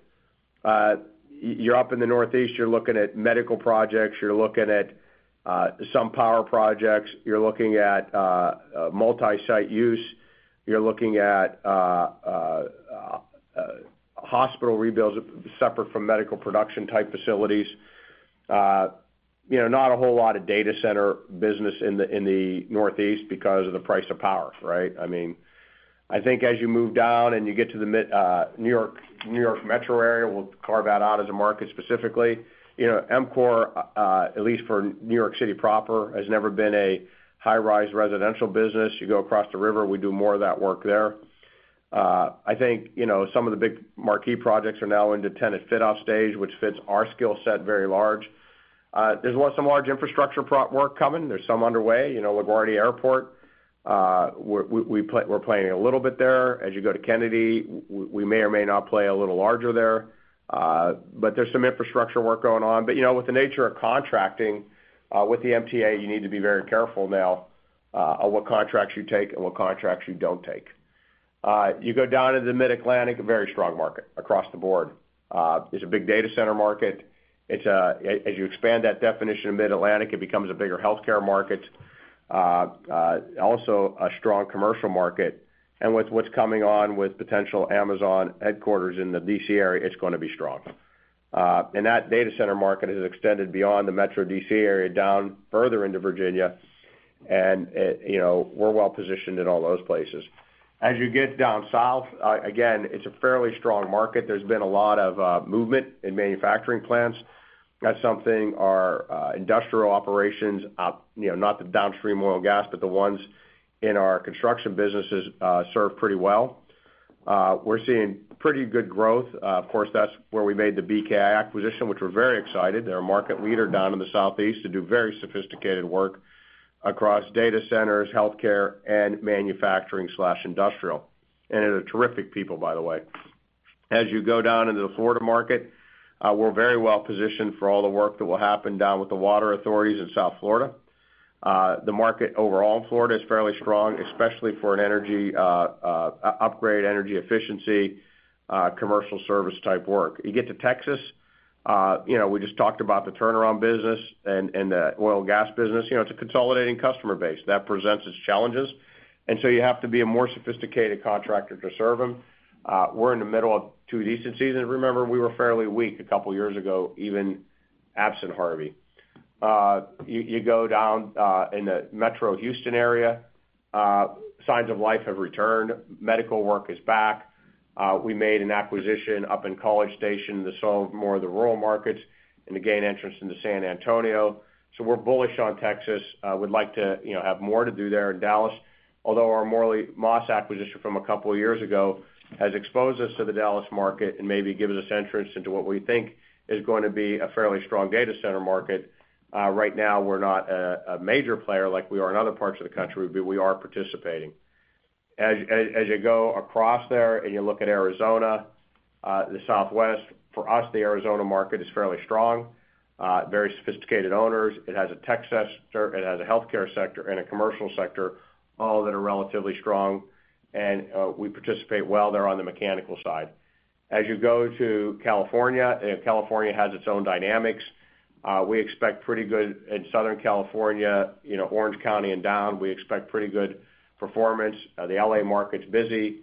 You're up in the Northeast, you're looking at medical projects. You're looking at some power projects. You're looking at multi-site use. You're looking at hospital rebuilds separate from medical production type facilities. Not a whole lot of data center business in the Northeast because of the price of power, right? I mean, I think as you move down and you get to the New York metro area, we'll carve that out as a market specifically. EMCOR, at least for New York City proper, has never been a high-rise residential business. You go across the river, we do more of that work there. I think, some of the big marquee projects are now into tenant fit-out stage, which fits our skill set very large. There's some large infrastructure work coming. There's some underway. LaGuardia Airport, we're playing a little bit there. As you go to Kennedy, we may or may not play a little larger there. There's some infrastructure work going on. With the nature of contracting with the MTA, you need to be very careful now of what contracts you take and what contracts you don't take. You go down into the Mid-Atlantic, a very strong market across the board. It's a big data center market. As you expand that definition of Mid-Atlantic, it becomes a bigger healthcare market. Also, a strong commercial market. With what's coming on with potential Amazon headquarters in the D.C. area, it's going to be strong. That data center market has extended beyond the metro D.C. area, down further into Virginia, and we're well-positioned in all those places. As you get down south, again, it's a fairly strong market. There's been a lot of movement in manufacturing plants. That's something our industrial operations, not the downstream oil and gas, but the ones in our construction businesses serve pretty well. We're seeing pretty good growth. Of course, that's where we made the BKI acquisition, which we're very excited. They're a market leader down in the Southeast. They do very sophisticated work across data centers, healthcare, and manufacturing/industrial. They're terrific people, by the way. As you go down into the Florida market, we're very well-positioned for all the work that will happen down with the water authorities in South Florida. The market overall in Florida is fairly strong, especially for an upgrade energy efficiency, commercial service type work. You get to Texas, we just talked about the turnaround business and the oil and gas business. It's a consolidating customer base. That presents its challenges, and so you have to be a more sophisticated contractor to serve them. We're in the middle of two decent seasons. Remember, we were fairly weak a couple of years ago, even absent Harvey. You go down in the metro Houston area, signs of life have returned. Medical work is back. We made an acquisition up in College Station to solve more of the rural markets and to gain entrance into San Antonio. We're bullish on Texas. We'd like to have more to do there in Dallas, although our Morley-Moss acquisition from a couple of years ago has exposed us to the Dallas market and maybe given us entrance into what we think is going to be a fairly strong data center market. Right now, we're not a major player like we are in other parts of the country, but we are participating. As you go across there and you look at Arizona, the Southwest, for us, the Arizona market is fairly strong. Very sophisticated owners. It has a tech sector, it has a healthcare sector, and a commercial sector, all that are relatively strong, and we participate well there on the mechanical side. As you go to California has its own dynamics. We expect pretty good in Southern California, Orange County and down, we expect pretty good performance. The L.A. market's busy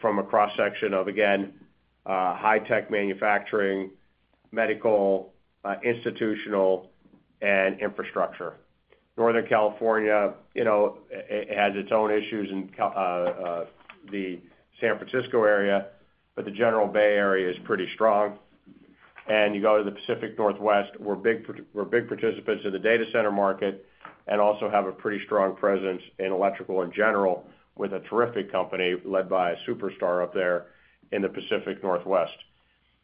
from a cross-section of, again high-tech manufacturing, medical, institutional, and infrastructure. Northern California, it has its own issues in the San Francisco area, but the general Bay Area is pretty strong. You go to the Pacific Northwest, we're big participants in the data center market and also have a pretty strong presence in electrical in general with a terrific company led by a superstar up there in the Pacific Northwest.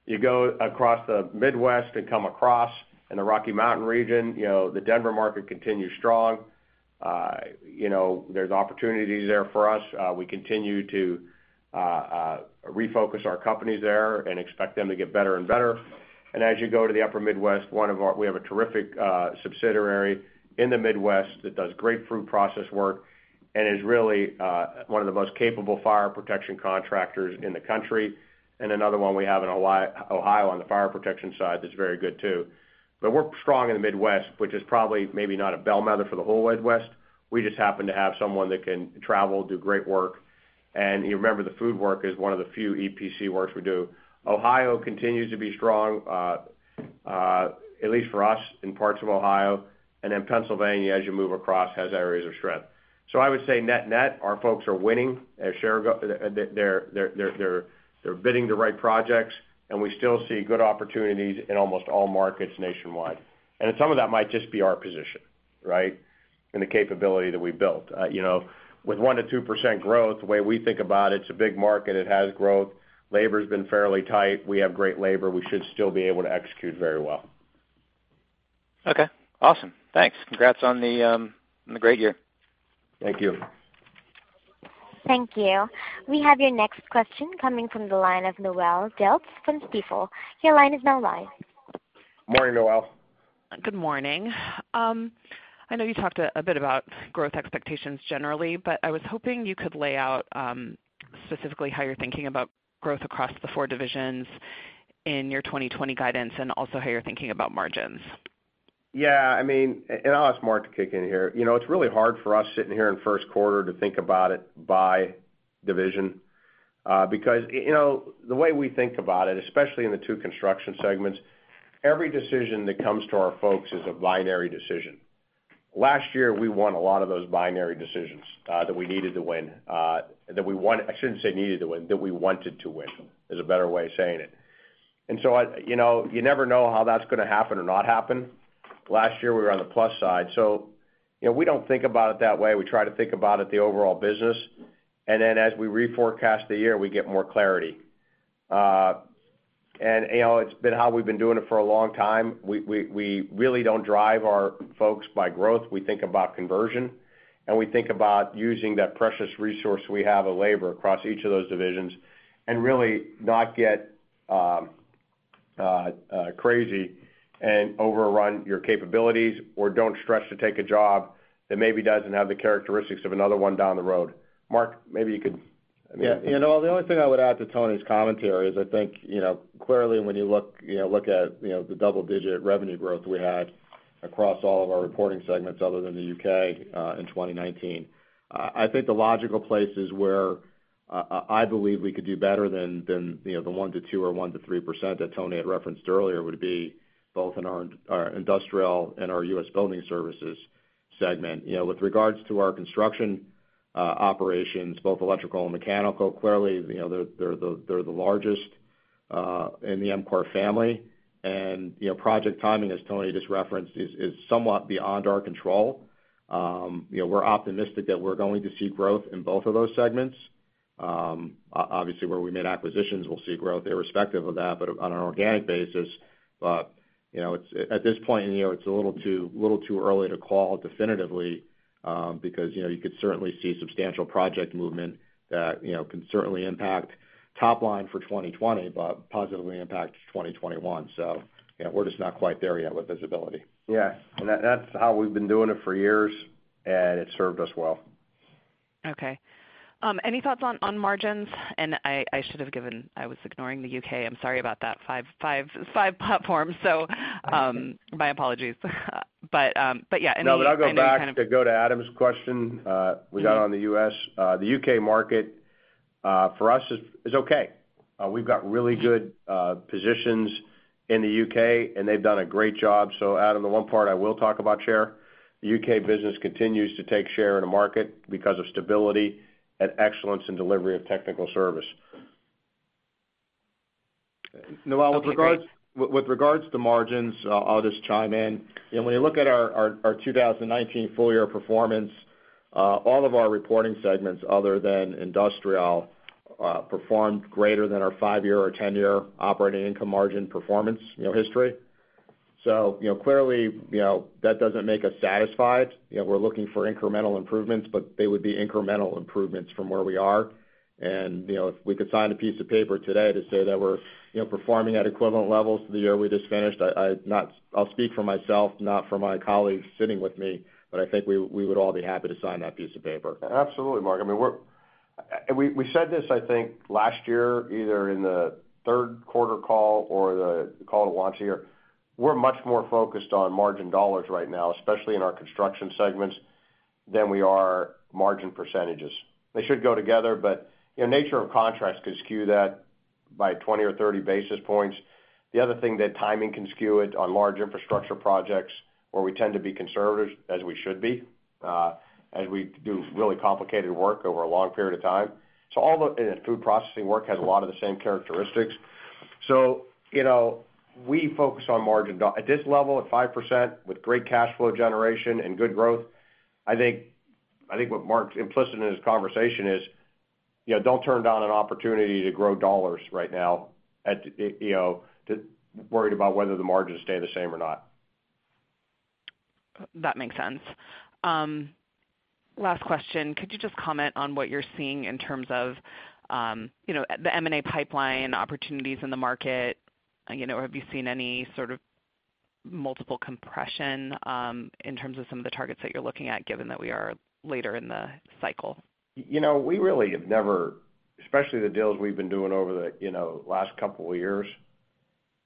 You go across the Midwest and come across in the Rocky Mountain region, the Denver market continues strong. There's opportunities there for us. We continue to refocus our companies there and expect them to get better and better. As you go to the upper Midwest, we have a terrific subsidiary in the Midwest that does greenfield process work and is really one of the most capable fire protection contractors in the country. Another one we have in Ohio on the fire protection side that's very good too. We're strong in the Midwest, which is probably maybe not a bellwether for the whole Midwest. We just happen to have someone that can travel, do great work. You remember the food work is one of the few EPC works we do. Ohio continues to be strong, at least for us in parts of Ohio. Pennsylvania, as you move across, has areas of strength. I would say net-net, our folks are winning. They're bidding the right projects, and we still see good opportunities in almost all markets nationwide. Some of that might just be our position, right, and the capability that we built. With 1%-2% growth, the way we think about it's a big market. It has growth. Labor's been fairly tight. We have great labor. We should still be able to execute very well. Okay. Awesome. Thanks. Congrats on the great year. Thank you. Thank you. We have your next question coming from the line of Noelle Dilts from Stifel. Your line is now live. Morning, Noelle. Good morning. I was hoping you could lay out specifically how you're thinking about growth across the four divisions in your 2020 guidance and also how you're thinking about margins. I'll ask Mark to kick in here. It's really hard for us sitting here in first quarter to think about it by division. Because the way we think about it, especially in the two construction segments, every decision that comes to our folks is a binary decision. Last year, we won a lot of those binary decisions that we needed to win. I shouldn't say needed to win, that we wanted to win is a better way of saying it. So you never know how that's going to happen or not happen. Last year, we were on the plus side. We don't think about it that way. We try to think about it the overall business, and then as we reforecast the year, we get more clarity. It's been how we've been doing it for a long time. We really don't drive our folks by growth. We think about conversion, and we think about using that precious resource we have of labor across each of those divisions, and really not get crazy and overrun your capabilities, or don't stretch to take a job that maybe doesn't have the characteristics of another one down the road. Mark, maybe you could. Yeah. The only thing I would add to Tony's commentary is I think, clearly when you look at the double-digit revenue growth we had across all of our reporting segments other than the U.K. in 2019, I think the logical places where I believe we could do better than the 1%-2% or 1%-3% that Tony had referenced earlier would be both in our Industrial and U.S. Building Services segment. With regards to our construction operations, both Electrical and Mechanical, clearly, they're the largest in the EMCOR family. Project timing, as Tony just referenced, is somewhat beyond our control. We're optimistic that we're going to see growth in both of those segments. Obviously, where we made acquisitions, we'll see growth irrespective of that. On an organic basis, at this point, it's a little too early to call definitively, because you could certainly see substantial project movement that can certainly impact top line for 2020, but positively impact 2021. We're just not quite there yet with visibility. Yeah. That's how we've been doing it for years, and it's served us well. Okay. Any thoughts on margins? I was ignoring the U.K. I'm sorry about that. Five platforms, my apologies. Yeah. No, but I'll go back to Adam's question we got on the U.S. The U.K. market, for us, is okay. We've got really good positions in the U.K., and they've done a great job. Adam, the one part I will talk about share, the U.K. business continues to take share in the market because of stability and excellence in delivery of technical service. Noelle, with regards to margins, I'll just chime in. When you look at our 2019 full-year performance, all of our reporting segments other than Industrial performed greater than our five-year or 10-year operating income margin performance history. Clearly, that doesn't make us satisfied. We're looking for incremental improvements, they would be incremental improvements from where we are. If we could sign a piece of paper today to say that we're performing at equivalent levels to the year we just finished, I'll speak for myself, not for my colleagues sitting with me, I think we would all be happy to sign that piece of paper. Absolutely, Mark. We said this, I think, last year, either in the third quarter call or the call to launch a year. We're much more focused on margin dollars right now, especially in our construction segments, than we are margin percentages. The nature of contracts could skew that by 20 or 30 basis points. The other thing that timing can skew it on large infrastructure projects, where we tend to be conservative, as we should be, as we do really complicated work over a long period of time. Food processing work has a lot of the same characteristics. We focus on margin. At this level, at 5%, with great cash flow generation and good growth, I think what Mark's implicit in his conversation is, don't turn down an opportunity to grow dollars right now, worried about whether the margins stay the same or not. That makes sense. Last question, could you just comment on what you're seeing in terms of the M&A pipeline opportunities in the market? Have you seen any sort of multiple compression in terms of some of the targets that you're looking at, given that we are later in the cycle? We really have never, especially the deals we've been doing over the last couple of years,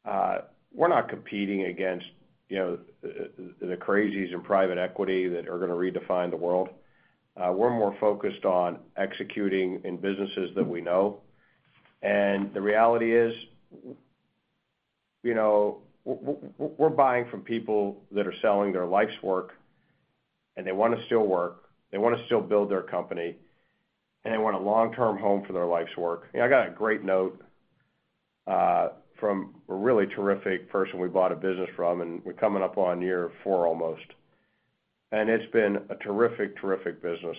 we're not competing against the crazies in private equity that are going to redefine the world. We're more focused on executing in businesses that we know. The reality is, we're buying from people that are selling their life's work, and they want to still work, they want to still build their company, and they want a long-term home for their life's work. I got a great note from a really terrific person we bought a business from, and we're coming up on year four almost. It's been a terrific business.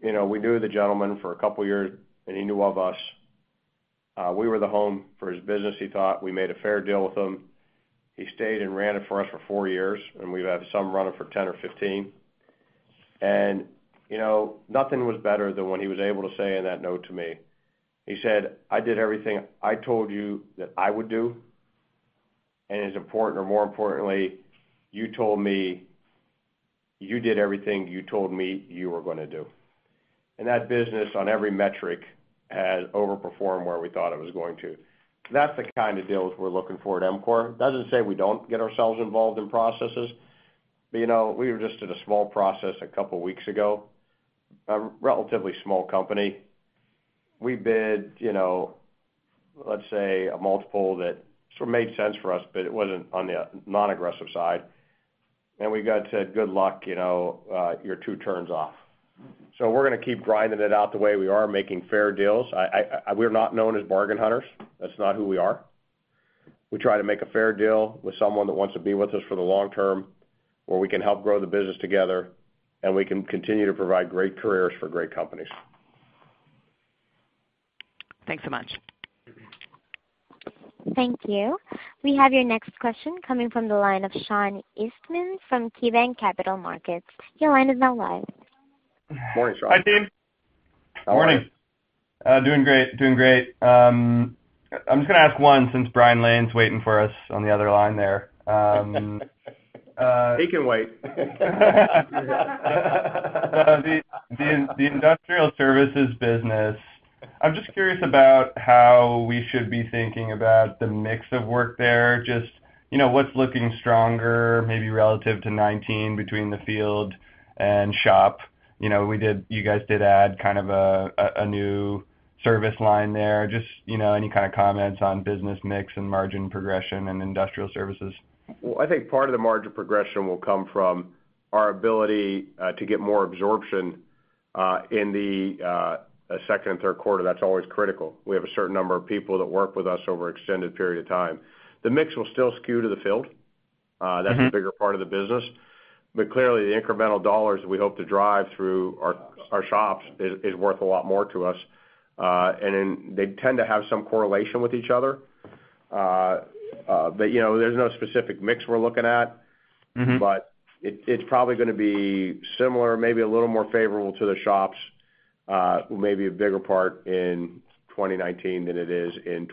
We knew the gentleman for a couple of years, and he knew of us. We were the home for his business, he thought. We made a fair deal with him. He stayed and ran it for us for four years, and we've had some run it for 10 or 15. Nothing was better than when he was able to say in that note to me. He said, "I did everything I told you that I would do, and more importantly, you did everything you told me you were going to do." That business, on every metric, has overperformed where we thought it was going to. That's the kind of deals we're looking for at EMCOR. Doesn't say we don't get ourselves involved in processes. We just did a small process a couple of weeks ago, a relatively small company. We bid, let's say, a multiple that made sense for us, but it wasn't on the non-aggressive side. We got said, "Good luck. You're two turns off." We're going to keep grinding it out the way we are, making fair deals. We're not known as bargain hunters. That's not who we are. We try to make a fair deal with someone that wants to be with us for the long term, where we can help grow the business together, and we can continue to provide great careers for great companies. Thanks so much. Thank you. We have your next question coming from the line of Sean Eastman from KeyBanc Capital Markets. Your line is now live. Morning, Sean. Hi, team. Morning. Doing great. I'm just going to ask one since Brian Lane's waiting for us on the other line there. He can wait. The Industrial Services business, I'm just curious about how we should be thinking about the mix of work there. What's looking stronger, maybe relative to 2019 between the field and shop. You guys did add kind of a new service line there. Any kind of comments on business mix and margin progression in Industrial Services? Well, I think part of the margin progression will come from our ability to get more absorption in the second and third quarter. That is always critical. We have a certain number of people that work with us over extended period of time. The mix will still skew to the field. That's the bigger part of the business. Clearly, the incremental dollars we hope to drive through our shops is worth a lot more to us. They tend to have some correlation with each other. There's no specific mix we're looking at. It's probably going to be similar, maybe a little more favorable to the shops, maybe a bigger part in 2019 than it is in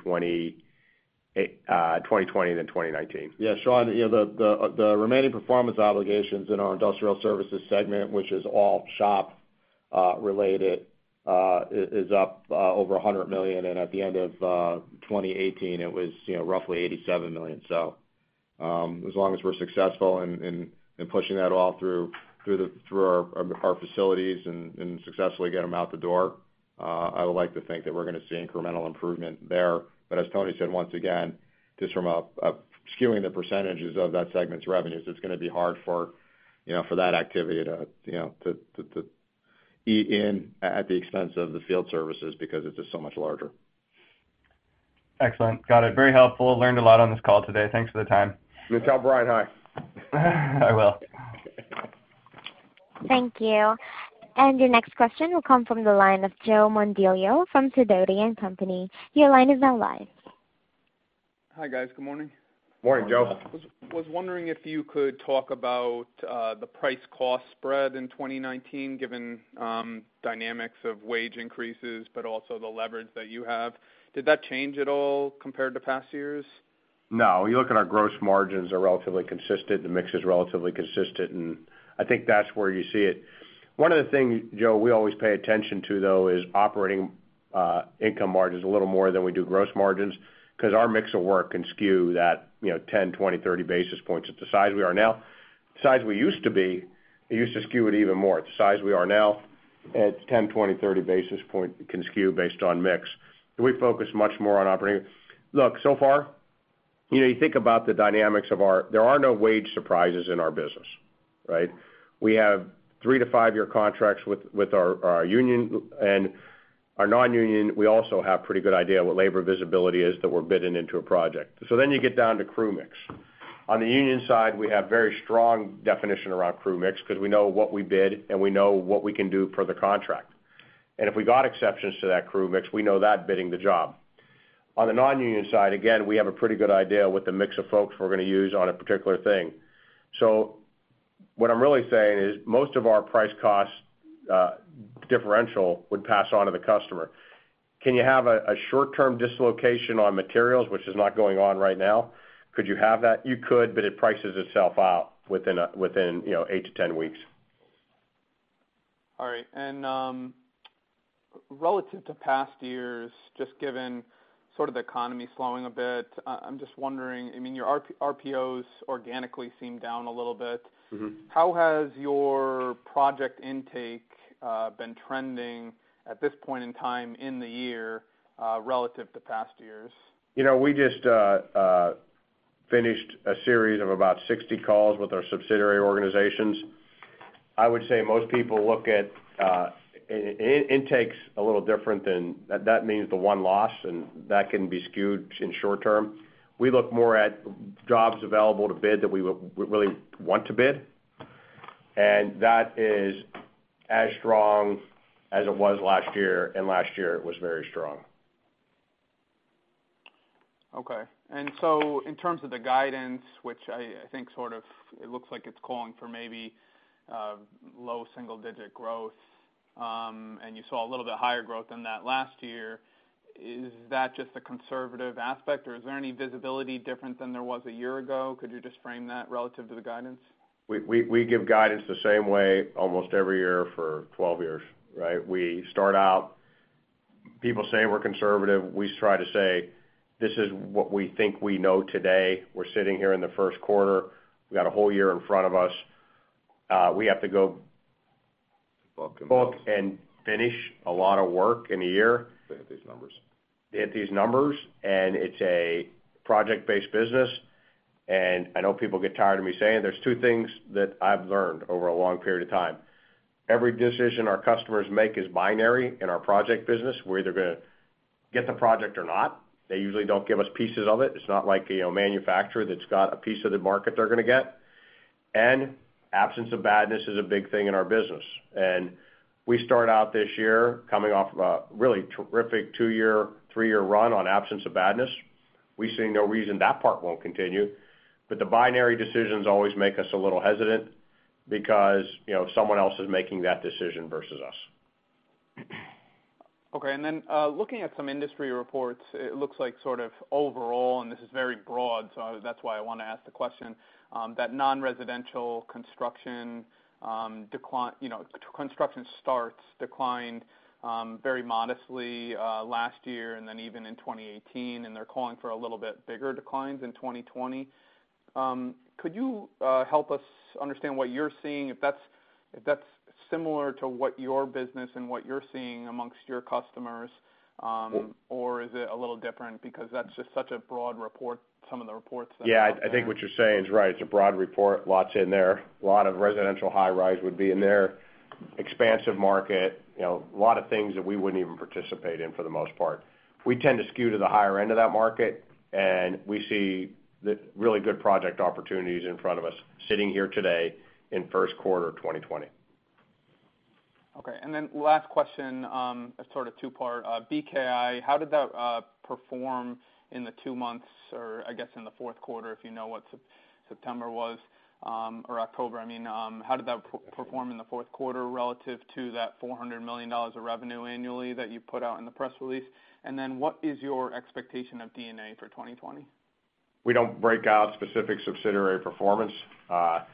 2020 than 2019. Sean, the remaining performance obligations in our EMCOR Industrial Services segment, which is all shop related, is up over $100 million, and at the end of 2018, it was roughly $87 million. As long as we're successful in pushing that all through our facilities and successfully get them out the door, I would like to think that we're going to see incremental improvement there. As Tony said, once again, just from a skewing the percentages of that segment's revenues, it's going to be hard for that activity to key in at the expense of the field services because it's just so much larger. Excellent. Got it. Very helpful. Learned a lot on this call today. Thanks for the time. Tell Brian hi. I will. Thank you. Your next question will come from the line of Joe Mondillo from Sidoti & Company. Your line is now live. Hi, guys. Good morning. Morning, Joe. was wondering if you could talk about the price-cost spread in 2019, given dynamics of wage increases, but also the leverage that you have. Did that change at all compared to past years? No. You look at our gross margins are relatively consistent. The mix is relatively consistent, and I think that's where you see it. One of the things, Joe, we always pay attention to, though, is operating income margins a little more than we do gross margins because our mix of work can skew that 10, 20, 30 basis points at the size we are now. The size we used to be, it used to skew it even more. At the size we are now, it's 10, 20, 30 basis point can skew based on mix. We focus much more on operating. There are no wage surprises in our business. Right? We have three- to five-year contracts with our union. Our non-union, we also have pretty good idea what labor visibility is that we're bidding into a project. You get down to crew mix. On the union side, we have very strong definition around crew mix because we know what we bid, and we know what we can do per the contract. If we got exceptions to that crew mix, we know that bidding the job. On the non-union side, again, we have a pretty good idea what the mix of folks we're going to use on a particular thing. What I'm really saying is, most of our price cost differential would pass on to the customer. Can you have a short-term dislocation on materials, which is not going on right now? Could you have that? You could, but it prices itself out within 8-10 weeks. All right. Relative to past years, just given sort of the economy slowing a bit, I'm just wondering, your RPOs organically seem down a little bit. How has your project intake been trending at this point in time in the year, relative to past years? We just finished a series of about 60 calls with our subsidiary organizations. I would say most people look at intakes a little different than that means the one loss, and that can be skewed in short term. We look more at jobs available to bid that we would really want to bid, and that is as strong as it was last year, and last year it was very strong. Okay. In terms of the guidance, which I think sort of, it looks like it is calling for maybe low single digit growth, and you saw a little bit higher growth than that last year, is that just a conservative aspect, or is there any visibility different than there was a year ago? Could you just frame that relative to the guidance? We give guidance the same way almost every year for 12 years. Right? We start out, people say we're conservative. We try to say, "This is what we think we know today. We're sitting here in the first quarter. We've got a whole year in front of us. Book them. book and finish a lot of work in a year. To hit these numbers. To hit these numbers, it's a project-based business. I know people get tired of me saying, there's two things that I've learned over a long period of time. Every decision our customers make is binary in our project business. We're either going to get the project or not. They usually don't give us pieces of it. It's not like a manufacturer that's got a piece of the market they're going to get. Absence of badness is a big thing in our business. We start out this year coming off of a really terrific two-year, three-year run on absence of badness. We see no reason that part won't continue, but the binary decisions always make us a little hesitant because someone else is making that decision versus us. Okay. Looking at some industry reports, it looks like sort of overall. This is very broad. That's why I want to ask the question, that non-residential construction starts declined very modestly last year even in 2018. They're calling for a little bit bigger declines in 2020. Could you help us understand what you're seeing, if that's similar to what your business and what you're seeing amongst your customers? or is it a little different? That's just such a broad report, some of the reports that are out there. Yeah, I think what you're saying is right. It's a broad report. Lots in there. A lot of residential high-rise would be in there, expansive market, a lot of things that we wouldn't even participate in for the most part. We tend to skew to the higher end of that market, and we see the really good project opportunities in front of us sitting here today in first quarter 2020. Okay. Last question, it's sort of two-part. BKI, how did that perform in the two months, or I guess in the fourth quarter, if you know what September was, or October, I mean. How did that perform in the fourth quarter relative to that $400 million of revenue annually that you put out in the press release? What is your expectation of D&A for 2020? We don't break out specific subsidiary performance. $400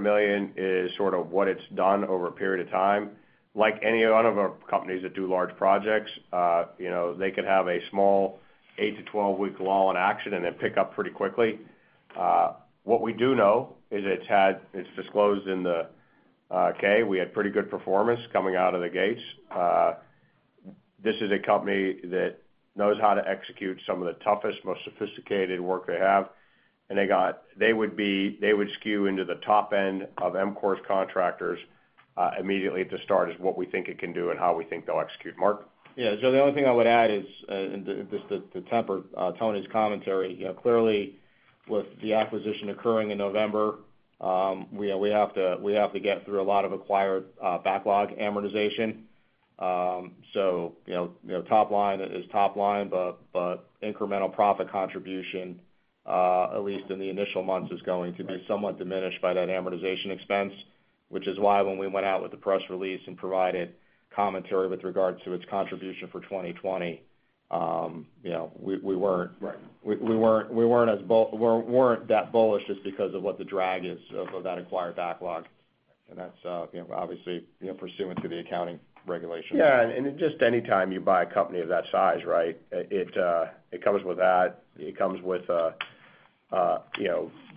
million is sort of what it's done over a period of time. Like any of our companies that do large projects, they could have a small eight to 12-week lull in action, and then pick up pretty quickly. What we do know is it's disclosed in the K, we had pretty good performance coming out of the gates. This is a company that knows how to execute some of the toughest, most sophisticated work they have. They would skew into the top end of EMCOR's contractors immediately at the start, is what we think it can do and how we think they'll execute. Mark? The only thing I would add is, and just to temper Tony's commentary, clearly with the acquisition occurring in November, we have to get through a lot of acquired backlog amortization. Top line is top line, but incremental profit contribution, at least in the initial months, is going to be somewhat diminished by that amortization expense, which is why when we went out with the press release and provided commentary with regards to its contribution for 2020, we weren't. Right we weren't that bullish just because of what the drag is of that acquired backlog. That's obviously pursuant to the accounting regulation. Yeah, just anytime you buy a company of that size, it comes with that. It comes with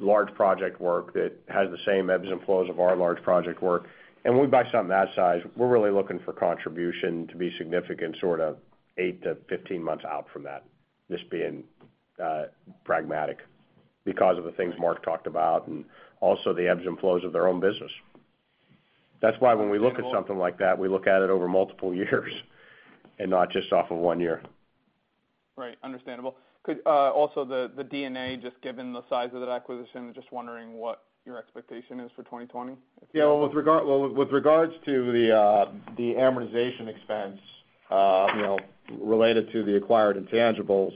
large project work that has the same ebbs and flows of our large project work. When we buy something that size, we're really looking for contribution to be significant sort of 8 to 15 months out from that, just being pragmatic because of the things Mark talked about and also the ebbs and flows of their own business. That's why when we look at something like that, we look at it over multiple years and not just off of one year. Right. Understandable. Could also the D&A, just given the size of that acquisition, just wondering what your expectation is for 2020? Yeah. Well, with regards to the amortization expense related to the acquired intangibles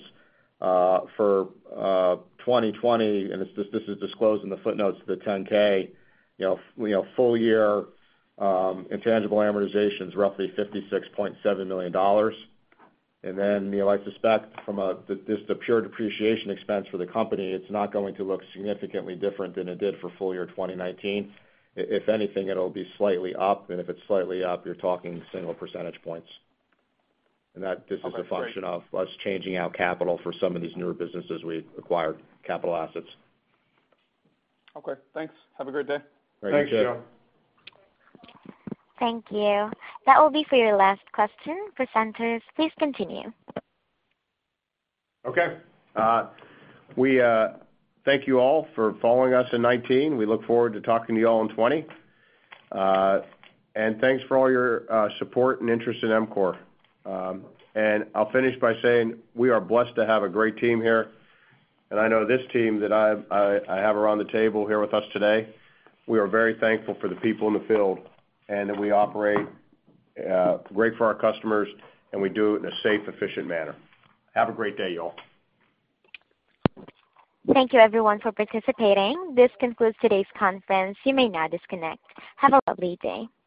for 2020, this is disclosed in the footnotes of the 10-K. Full year intangible amortization's roughly $56.7 million. Then, I suspect from just the pure depreciation expense for the company, it's not going to look significantly different than it did for full year 2019. If anything, it'll be slightly up, and if it's slightly up, you're talking single percentage points. Okay, great. a function of us changing out capital for some of these newer businesses we acquired capital assets. Okay, thanks. Have a great day. Thanks, Joe. Thanks, Joe. Thank you. That will be for your last question. Presenters, please continue. Okay. We thank you all for following us in 2019. We look forward to talking to you all in 2020. Thanks for all your support and interest in EMCOR. I'll finish by saying we are blessed to have a great team here. I know this team that I have around the table here with us today, we are very thankful for the people in the field, and that we operate great for our customers, and we do it in a safe, efficient manner. Have a great day, you all. Thank you everyone for participating. This concludes today's conference. You may now disconnect. Have a lovely day.